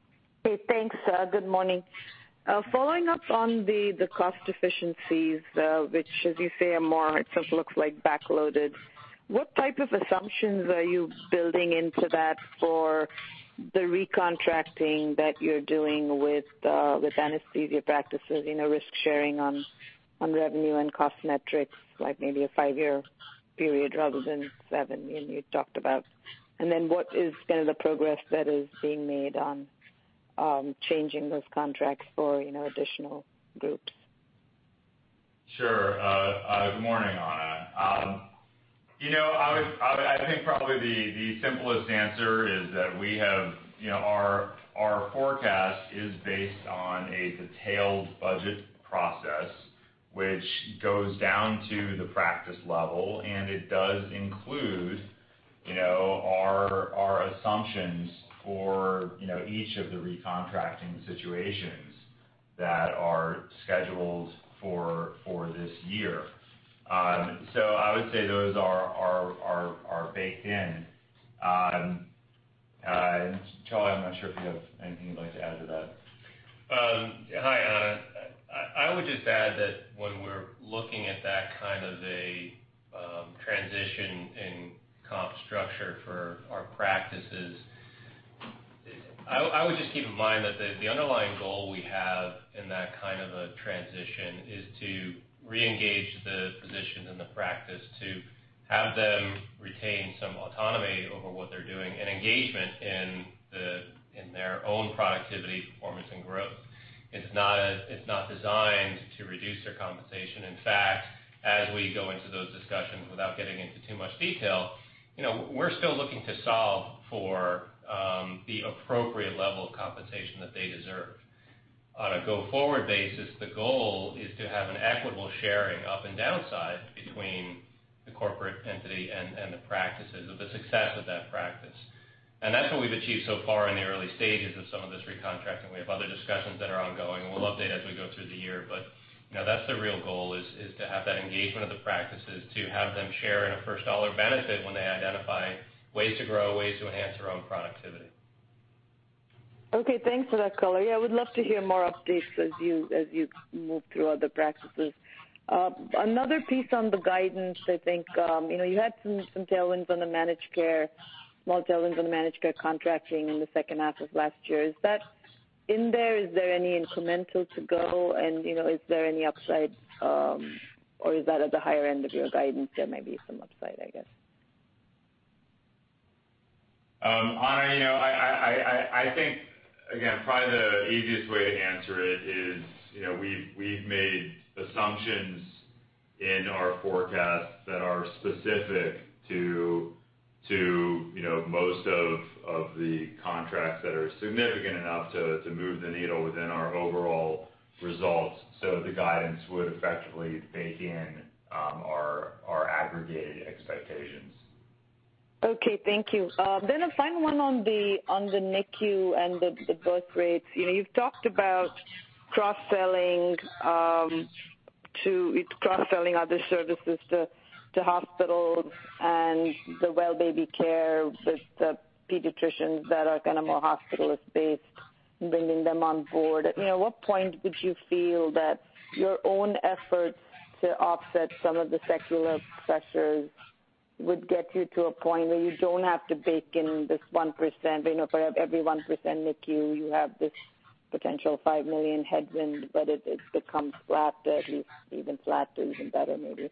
Okay, thanks. Good morning. Following up on the cost efficiencies, which as you say, are more, it looks like backloaded. What type of assumptions are you building into that for the recontracting that you're doing with anesthesia practices, risk sharing on revenue and cost metrics, like maybe a 5-year period rather than 7, you talked about. Then what is kind of the progress that is being made on changing those contracts for additional groups? Sure. Good morning, Anna. I think probably the simplest answer is that our forecast is based on a detailed budget process, which goes down to the practice level, and it does include our assumptions for each of the recontracting situations that are scheduled for this year. I would say those are baked in. Charlie, I'm not sure if you have anything you'd like to add to that. Hi, Anna. I would just add that when we're looking at that kind of a transition in comp structure for our practices, I would just keep in mind that the underlying goal we have in that kind of a transition is to reengage the physicians and the practice to have them retain some autonomy over what they're doing, and engagement in their own productivity, performance, and growth. It's not designed to reduce their compensation. In fact, as we go into those discussions without getting into too much detail, we're still looking to solve for the appropriate level of compensation that they deserve. On a go-forward basis, the goal is to have an equitable sharing, up and downside, between the corporate entity and the practices of the success of that practice. That's what we've achieved so far in the early stages of some of this recontracting. We have other discussions that are ongoing, and we'll update as we go through the year. That's the real goal, is to have that engagement of the practices, to have them share in a first-dollar benefit when they identify ways to grow, ways to enhance their own productivity. Okay, thanks for that color. Yeah, I would love to hear more updates as you move through other practices. Another piece on the guidance, I think. You had some tailwinds on the managed care, small tailwinds on the managed care contracting in the second half of last year. Is that in there? Is there any incremental to go? Is there any upside, or is that at the higher end of your guidance, there may be some upside, I guess? Anna, I think, again, probably the easiest way to answer it is we've made assumptions in our forecast that are specific to most of the contracts that are significant enough to move the needle within our overall results. The guidance would effectively bake in our aggregated expectations. Okay, thank you. A final one on the NICU and the birthrates. You've talked about cross-selling other services to hospitals and the well-baby care with the pediatricians that are kind of more hospital-based, bringing them on board. At what point would you feel that your own efforts to offset some of the secular pressures would get you to a point where you don't have to bake in this 1%? For every 1% NICU, you have this potential $5 million headwind, it becomes flatter, at least even flatter, even better, maybe.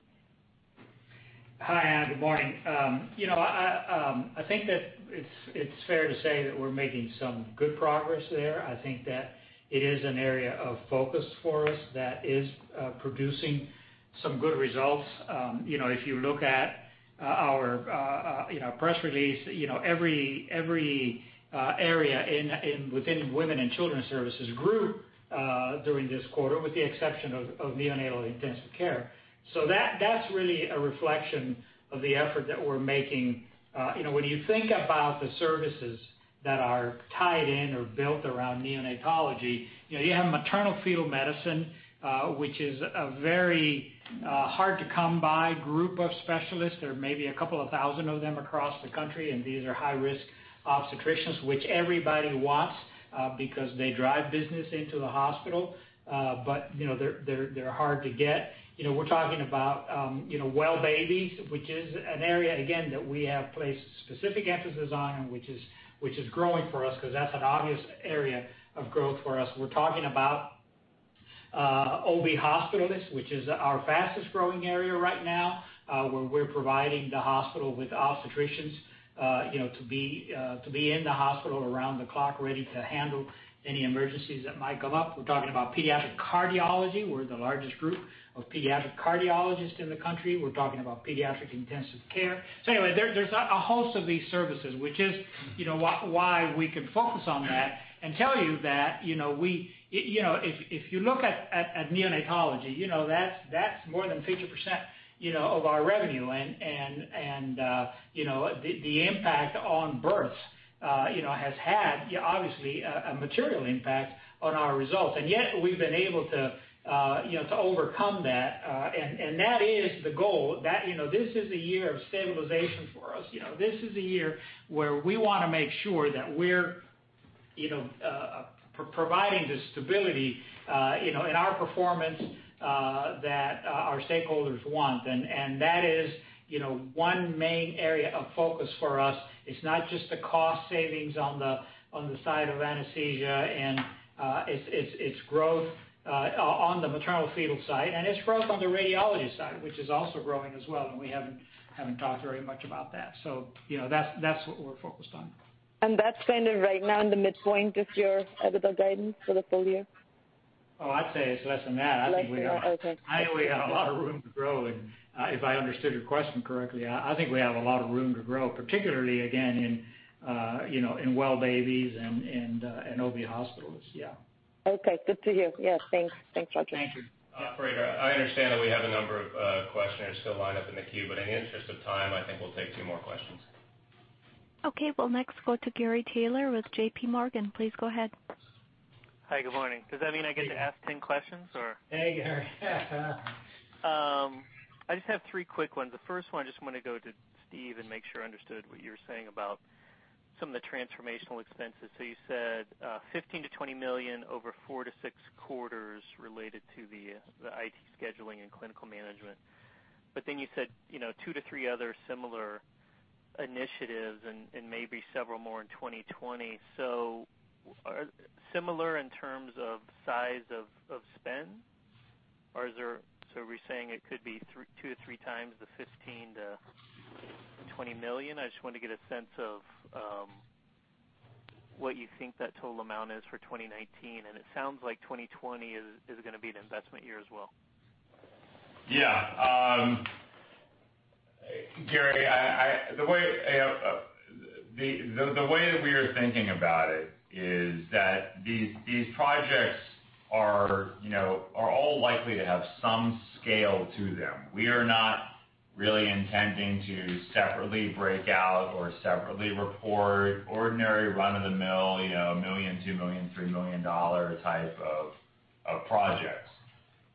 Hi, Anna. Good morning. I think that it's fair to say that we're making some good progress there. I think that it is an area of focus for us that is producing some good results. If you look at our press release, every area within Women and Children's Services grew during this quarter, with the exception of neonatal intensive care. That's really a reflection of the effort that we're making. When you think about the services that are tied in or built around neonatology, you have maternal-fetal medicine, which is a very hard-to-come-by group of specialists. There are maybe a couple of thousand of them across the country, and these are high-risk obstetricians, which everybody wants because they drive business into the hospital. They're hard to get. We're talking about well babies, which is an area again, that we have placed specific emphasis on and which is growing for us because that's an obvious area of growth for us. We're talking about OB hospitalists, which is our fastest-growing area right now, where we're providing the hospital with obstetricians to be in the hospital around the clock, ready to handle any emergencies that might come up. We're talking about pediatric cardiology. We're the largest group of pediatric cardiologists in the country. We're talking about pediatric intensive care. There's a host of these services, which is why we can focus on that and tell you that if you look at neonatology, that's more than 50% of our revenue, and the impact on births has had, obviously, a material impact on our results. We've been able to overcome that, and that is the goal. This is a year of stabilization for us. This is a year where we want to make sure that we're providing the stability in our performance that our stakeholders want. That is one main area of focus for us. It's not just the cost savings on the side of anesthesia and its growth on the maternal-fetal side, and its growth on the radiology side, which is also growing as well, and we haven't talked very much about that. That's what we're focused on. That's kind of right now in the midpoint of your EBITDA guidance for the full year? Oh, I'd say it's less than that. Less than, okay. I think we have a lot of room to grow, and if I understood your question correctly, I think we have a lot of room to grow, particularly, again, in well babies and OB hospitalists. Yeah. Okay. Good to hear. Yes, thanks. Thanks, Roger. Thank you. Operator, I understand that we have a number of questioners still lined up in the queue, in the interest of time, I think we'll take two more questions. Okay. We'll next go to Gary Taylor with J.P. Morgan. Please go ahead. Hi, good morning. Does that mean I get to ask 10 questions, or? Hey, Gary. I just have three quick ones. The first one, I just want to go to Steve and make sure I understood what you were saying about some of the transformational expenses. You said $15 million-$20 million over four to six quarters related to the IT scheduling and clinical management. You said two to three other similar initiatives and maybe several more in 2020. Similar in terms of size of spend, or we're saying it could be two to three times the $15 million-$20 million? I just wanted to get a sense of what you think that total amount is for 2019, and it sounds like 2020 is going to be an investment year as well. Gary, the way that we are thinking about it is that these projects are all likely to have some scale to them. We are not really intending to separately break out or separately report ordinary run-of-the-mill, $1 million, $2 million, $3 million type of projects.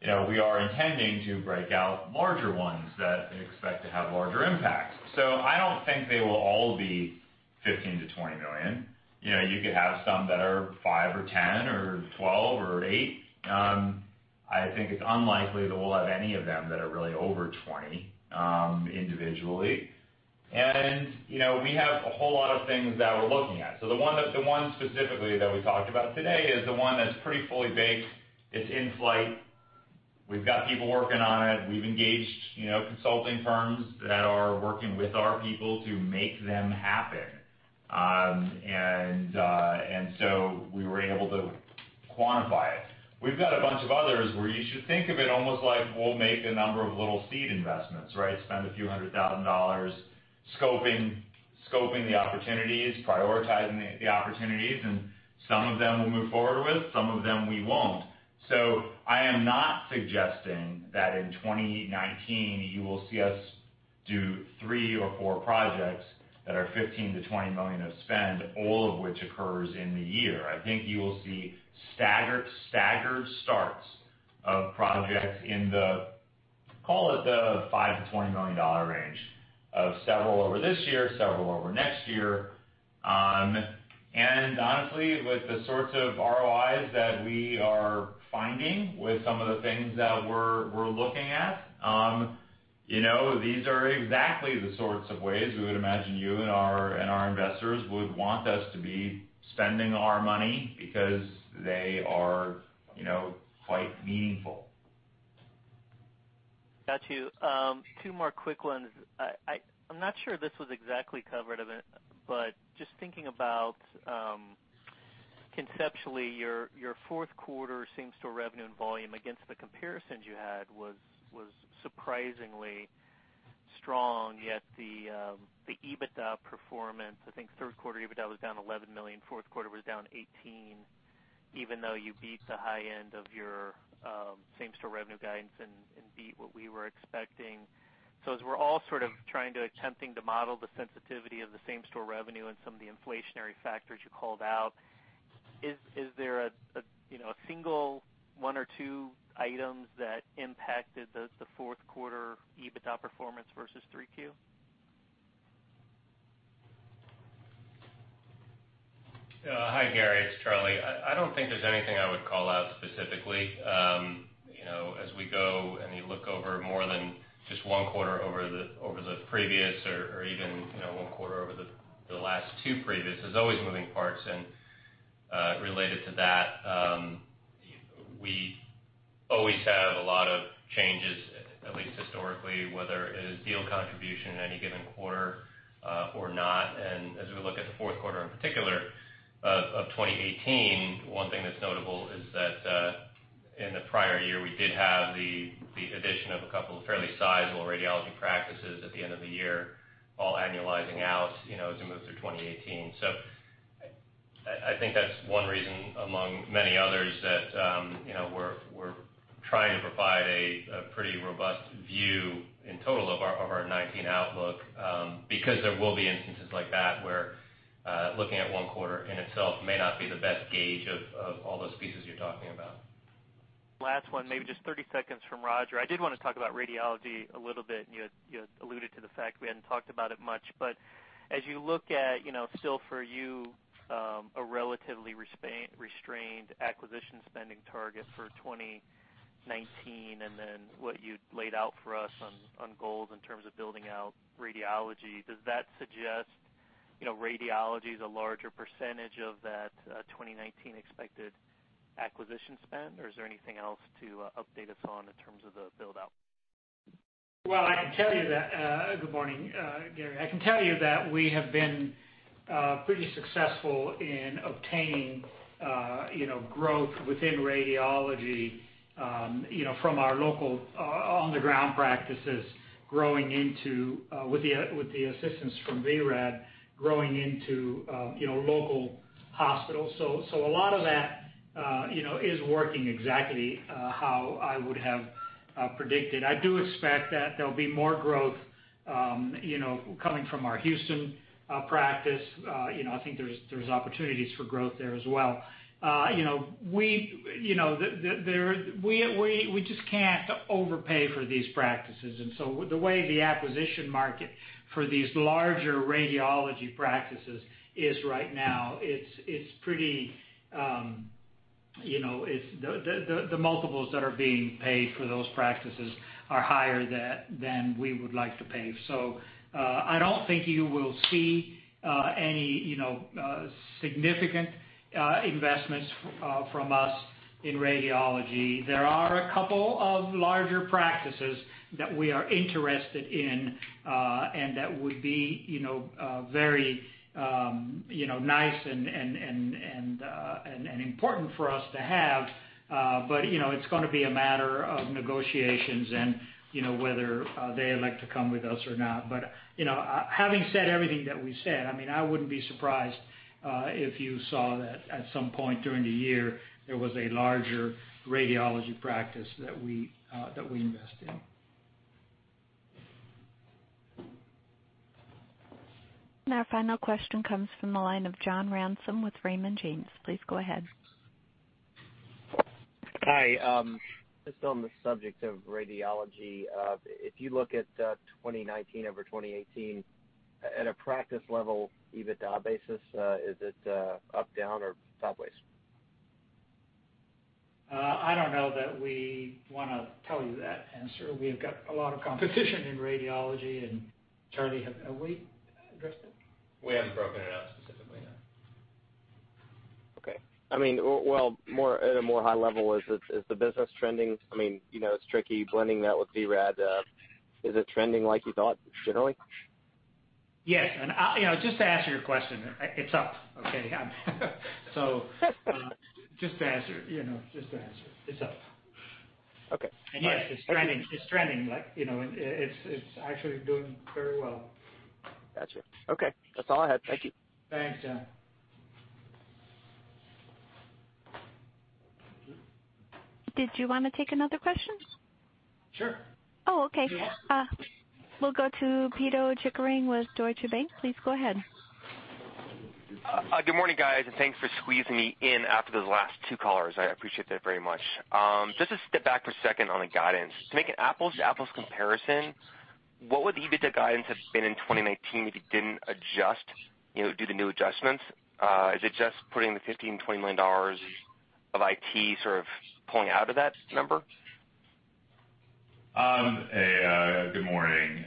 We are intending to break out larger ones that we expect to have larger impacts. I don't think they will all be $15 million-$20 million. You could have some that are $5 or $10 or $12 or $8. I think it's unlikely that we'll have any of them that are really over $20 individually. We have a whole lot of things that we're looking at. The one specifically that we talked about today is the one that's pretty fully baked. It's in flight. We've got people working on it. We've engaged consulting firms that are working with our people to make them happen. We were able to quantify it. We've got a bunch of others where you should think of it almost like we'll make a number of little seed investments, right? Spend a few hundred thousand dollars scoping the opportunities, prioritizing the opportunities, and some of them we'll move forward with, some of them we won't. I am not suggesting that in 2019, you will see us do three or four projects that are $15 million-$20 million of spend, all of which occurs in the year. I think you will see staggered starts of projects in the, call it the $5 million-$20 million range of several over this year, several over next year. Honestly, with the sorts of ROIs that we are finding with some of the things that we're looking at, these are exactly the sorts of ways we would imagine you and our investors would want us to be spending our money because they are quite meaningful. Got you. Two more quick ones. I'm not sure this was exactly covered, just thinking about conceptually, your fourth quarter same-store revenue and volume against the comparisons you had was surprisingly strong. Yet the EBITDA performance, I think third quarter EBITDA was down $11 million, fourth quarter was down $18, even though you beat the high end of your same-store revenue guidance and beat what we were expecting. As we're all sort of attempting to model the sensitivity of the same-store revenue and some of the inflationary factors you called out, is there a single one or two items that impacted the fourth quarter EBITDA performance versus 3Q? Hi, Gary. It's Charles. I don't think there's anything I would call out specifically. As we go, you look over more than just one quarter over the previous or even one quarter over the last two previous, there's always moving parts. Related to that, we always have a lot of changes, at least historically, whether it is deal contribution in any given quarter or not. As we look at the fourth quarter, in particular, of 2018, one thing that's notable is that in the prior year, we did have the addition of a couple of fairly sizable radiology practices at the end of the year, all annualizing out as we move through 2018. I think that's one reason among many others that we're trying to provide a pretty robust view in total of our 2019 outlook because there will be instances like that where looking at one quarter in itself may not be the best gauge of all those pieces you're talking about. Last one, maybe just 30 seconds from Roger Medel. I did want to talk about radiology a little bit, and you had alluded to the fact we hadn't talked about it much. As you look at, still for you, a relatively restrained acquisition spending target for 2019 and then what you laid out for us on goals in terms of building out radiology, does that suggest radiology is a larger percentage of that 2019 expected acquisition spend? Is there anything else to update us on in terms of the build-out? Well, I can tell you that Good morning, Gary Taylor. I can tell you that we have been pretty successful in obtaining growth within radiology from our local on-the-ground practices growing into, with the assistance from vRad, growing into local hospitals. A lot of that is working exactly how I would have predicted. I do expect that there'll be more growth coming from our Houston practice. I think there's opportunities for growth there as well. We just can't overpay for these practices. The way the acquisition market for these larger radiology practices is right now, the multiples that are being paid for those practices are higher than we would like to pay. I don't think you will see any significant investments from us in radiology. There are a couple of larger practices that we are interested in and that would be very nice and important for us to have. It's going to be a matter of negotiations and whether they would like to come with us or not. Having said everything that we've said, I wouldn't be surprised if you saw that at some point during the year, there was a larger radiology practice that we invest in. Our final question comes from the line of John Ransom with Raymond James. Please go ahead. Hi. Just on the subject of radiology, if you look at 2019 over 2018 at a practice level EBITDA basis, is it up, down, or sideways? I don't know that we want to tell you that answer. We've got a lot of competition in radiology. Charlie, have we addressed it? We haven't broken it out specifically, no. Okay. Well, at a more high level, is the business trending? It's tricky blending that with vRad. Is it trending like you thought generally? Yes. Just to answer your question, it's up. Okay? Just to answer, it's up. Okay. Yes, it's trending. It's actually doing very well. Got you. Okay. That's all I had. Thank you. Thanks, John. Did you want to take another question? Sure. Oh, okay. Sure. We'll go to Pito Chickering with Deutsche Bank. Please go ahead. Good morning, guys. Thanks for squeezing me in after those last two callers. I appreciate that very much. Just to step back for a second on the guidance. To make an apples-to-apples comparison, what would the EBITDA guidance have been in 2019 if you didn't do the new adjustments? Is it just putting the $15 million-$20 million of IT sort of pulling out of that number? Good morning.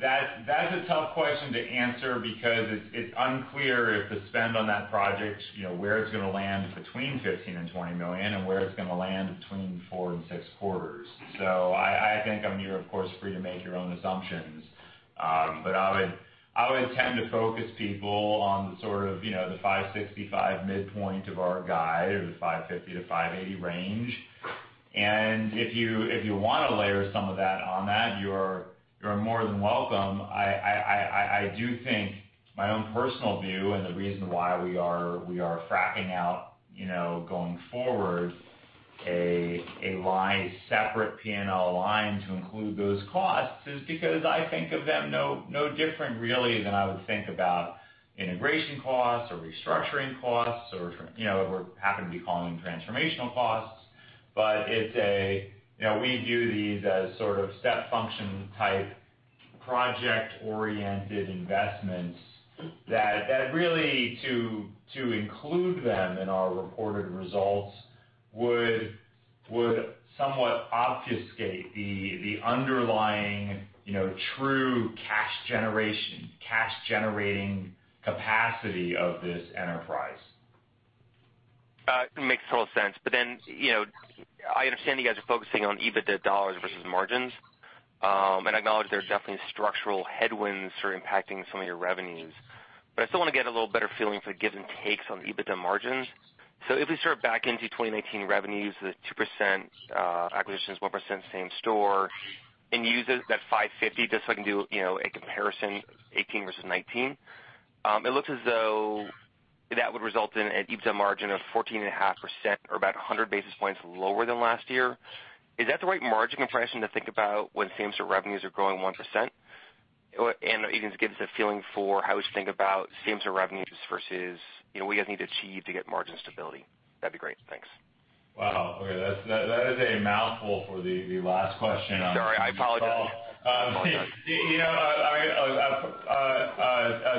That's a tough question to answer because it's unclear if the spend on that project, where it's going to land between $15 million and $20 million, and where it's going to land between 4 and 6 quarters. I think I'm here, of course, for you to make your own assumptions. I would tend to focus people on sort of the $565 midpoint of our guide or the $550-$580 range, and if you want to layer some of that on that, you are more than welcome. I do think My own personal view and the reason why we are breaking out going forward a line, separate P&L line to include those costs is because I think of them no different really than I would think about integration costs or restructuring costs or we happen to be calling them transformational costs. We view these as step function type project-oriented investments that really to include them in our reported results would somewhat obfuscate the underlying true cash-generating capacity of this enterprise. Makes total sense. I understand you guys are focusing on EBITDA dollars versus margins. I acknowledge there's definitely structural headwinds sort of impacting some of your revenues. I still want to get a little better feeling for the gives and takes on EBITDA margins. If we sort of back into 2019 revenues, the 2% acquisitions, 1% same store and use that $550 just so I can do a comparison 2018 versus 2019. It looks as though that would result in an EBITDA margin of 14.5% or about 100 basis points lower than last year. Is that the right margin compression to think about when same store revenues are growing 1%? Even just give us a feeling for how we should think about same store revenues versus what you guys need to achieve to get margin stability. That'd be great. Thanks. Wow. Okay. That is a mouthful for the last question on this call. Sorry, I apologize.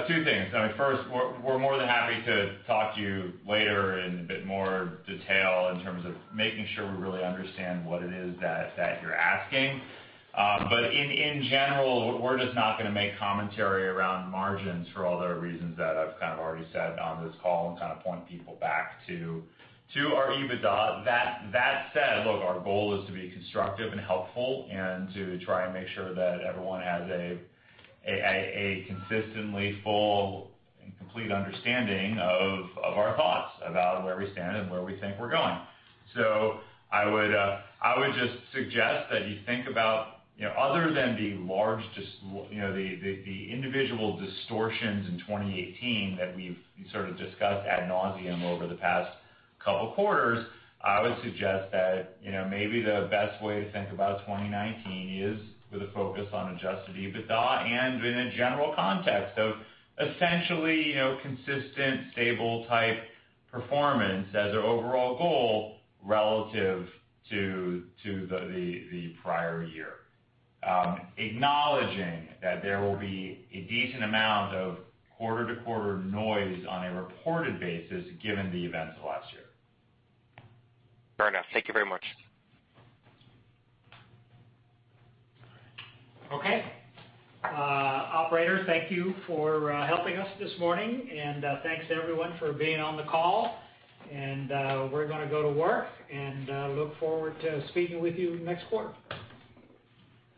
Two things. I mean, first, we're more than happy to talk to you later in a bit more detail in terms of making sure we really understand what it is that you're asking. In general, we're just not going to make commentary around margins for all the reasons that I've kind of already said on this call and kind of point people back to our EBITDA. That said, look, our goal is to be constructive and helpful and to try and make sure that everyone has a consistently full and complete understanding of our thoughts about where we stand and where we think we're going. I would just suggest that you think about, other than the individual distortions in 2018 that we've sort of discussed ad nauseam over the past couple quarters, I would suggest that maybe the best way to think about 2019 is with a focus on adjusted EBITDA and in a general context of essentially, consistent, stable type performance as our overall goal relative to the prior year. Acknowledging that there will be a decent amount of quarter-to-quarter noise on a reported basis given the events of last year. Fair enough. Thank you very much. Operator, thank you for helping us this morning, and thanks everyone for being on the call. We're going to go to work and look forward to speaking with you next quarter.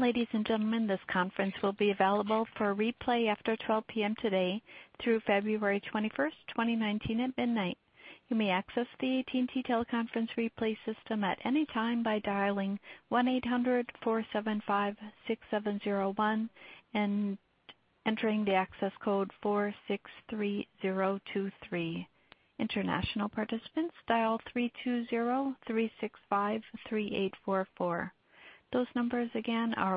Ladies and gentlemen, this conference will be available for replay after 12:00 P.M. today through February 21st, 2019 at midnight. You may access the AT&T teleconference replay system at any time by dialing 1-800-475-6701 and entering the access code 463023. International participants dial 3203653844. Those numbers again are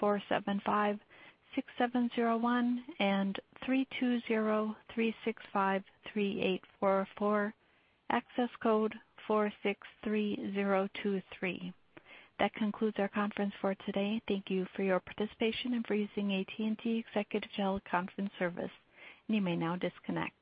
1-800-475-6701 and 3203653844. Access code 463023. That concludes our conference for today. Thank you for your participation and for using AT&T Executive Teleconference Service. You may now disconnect.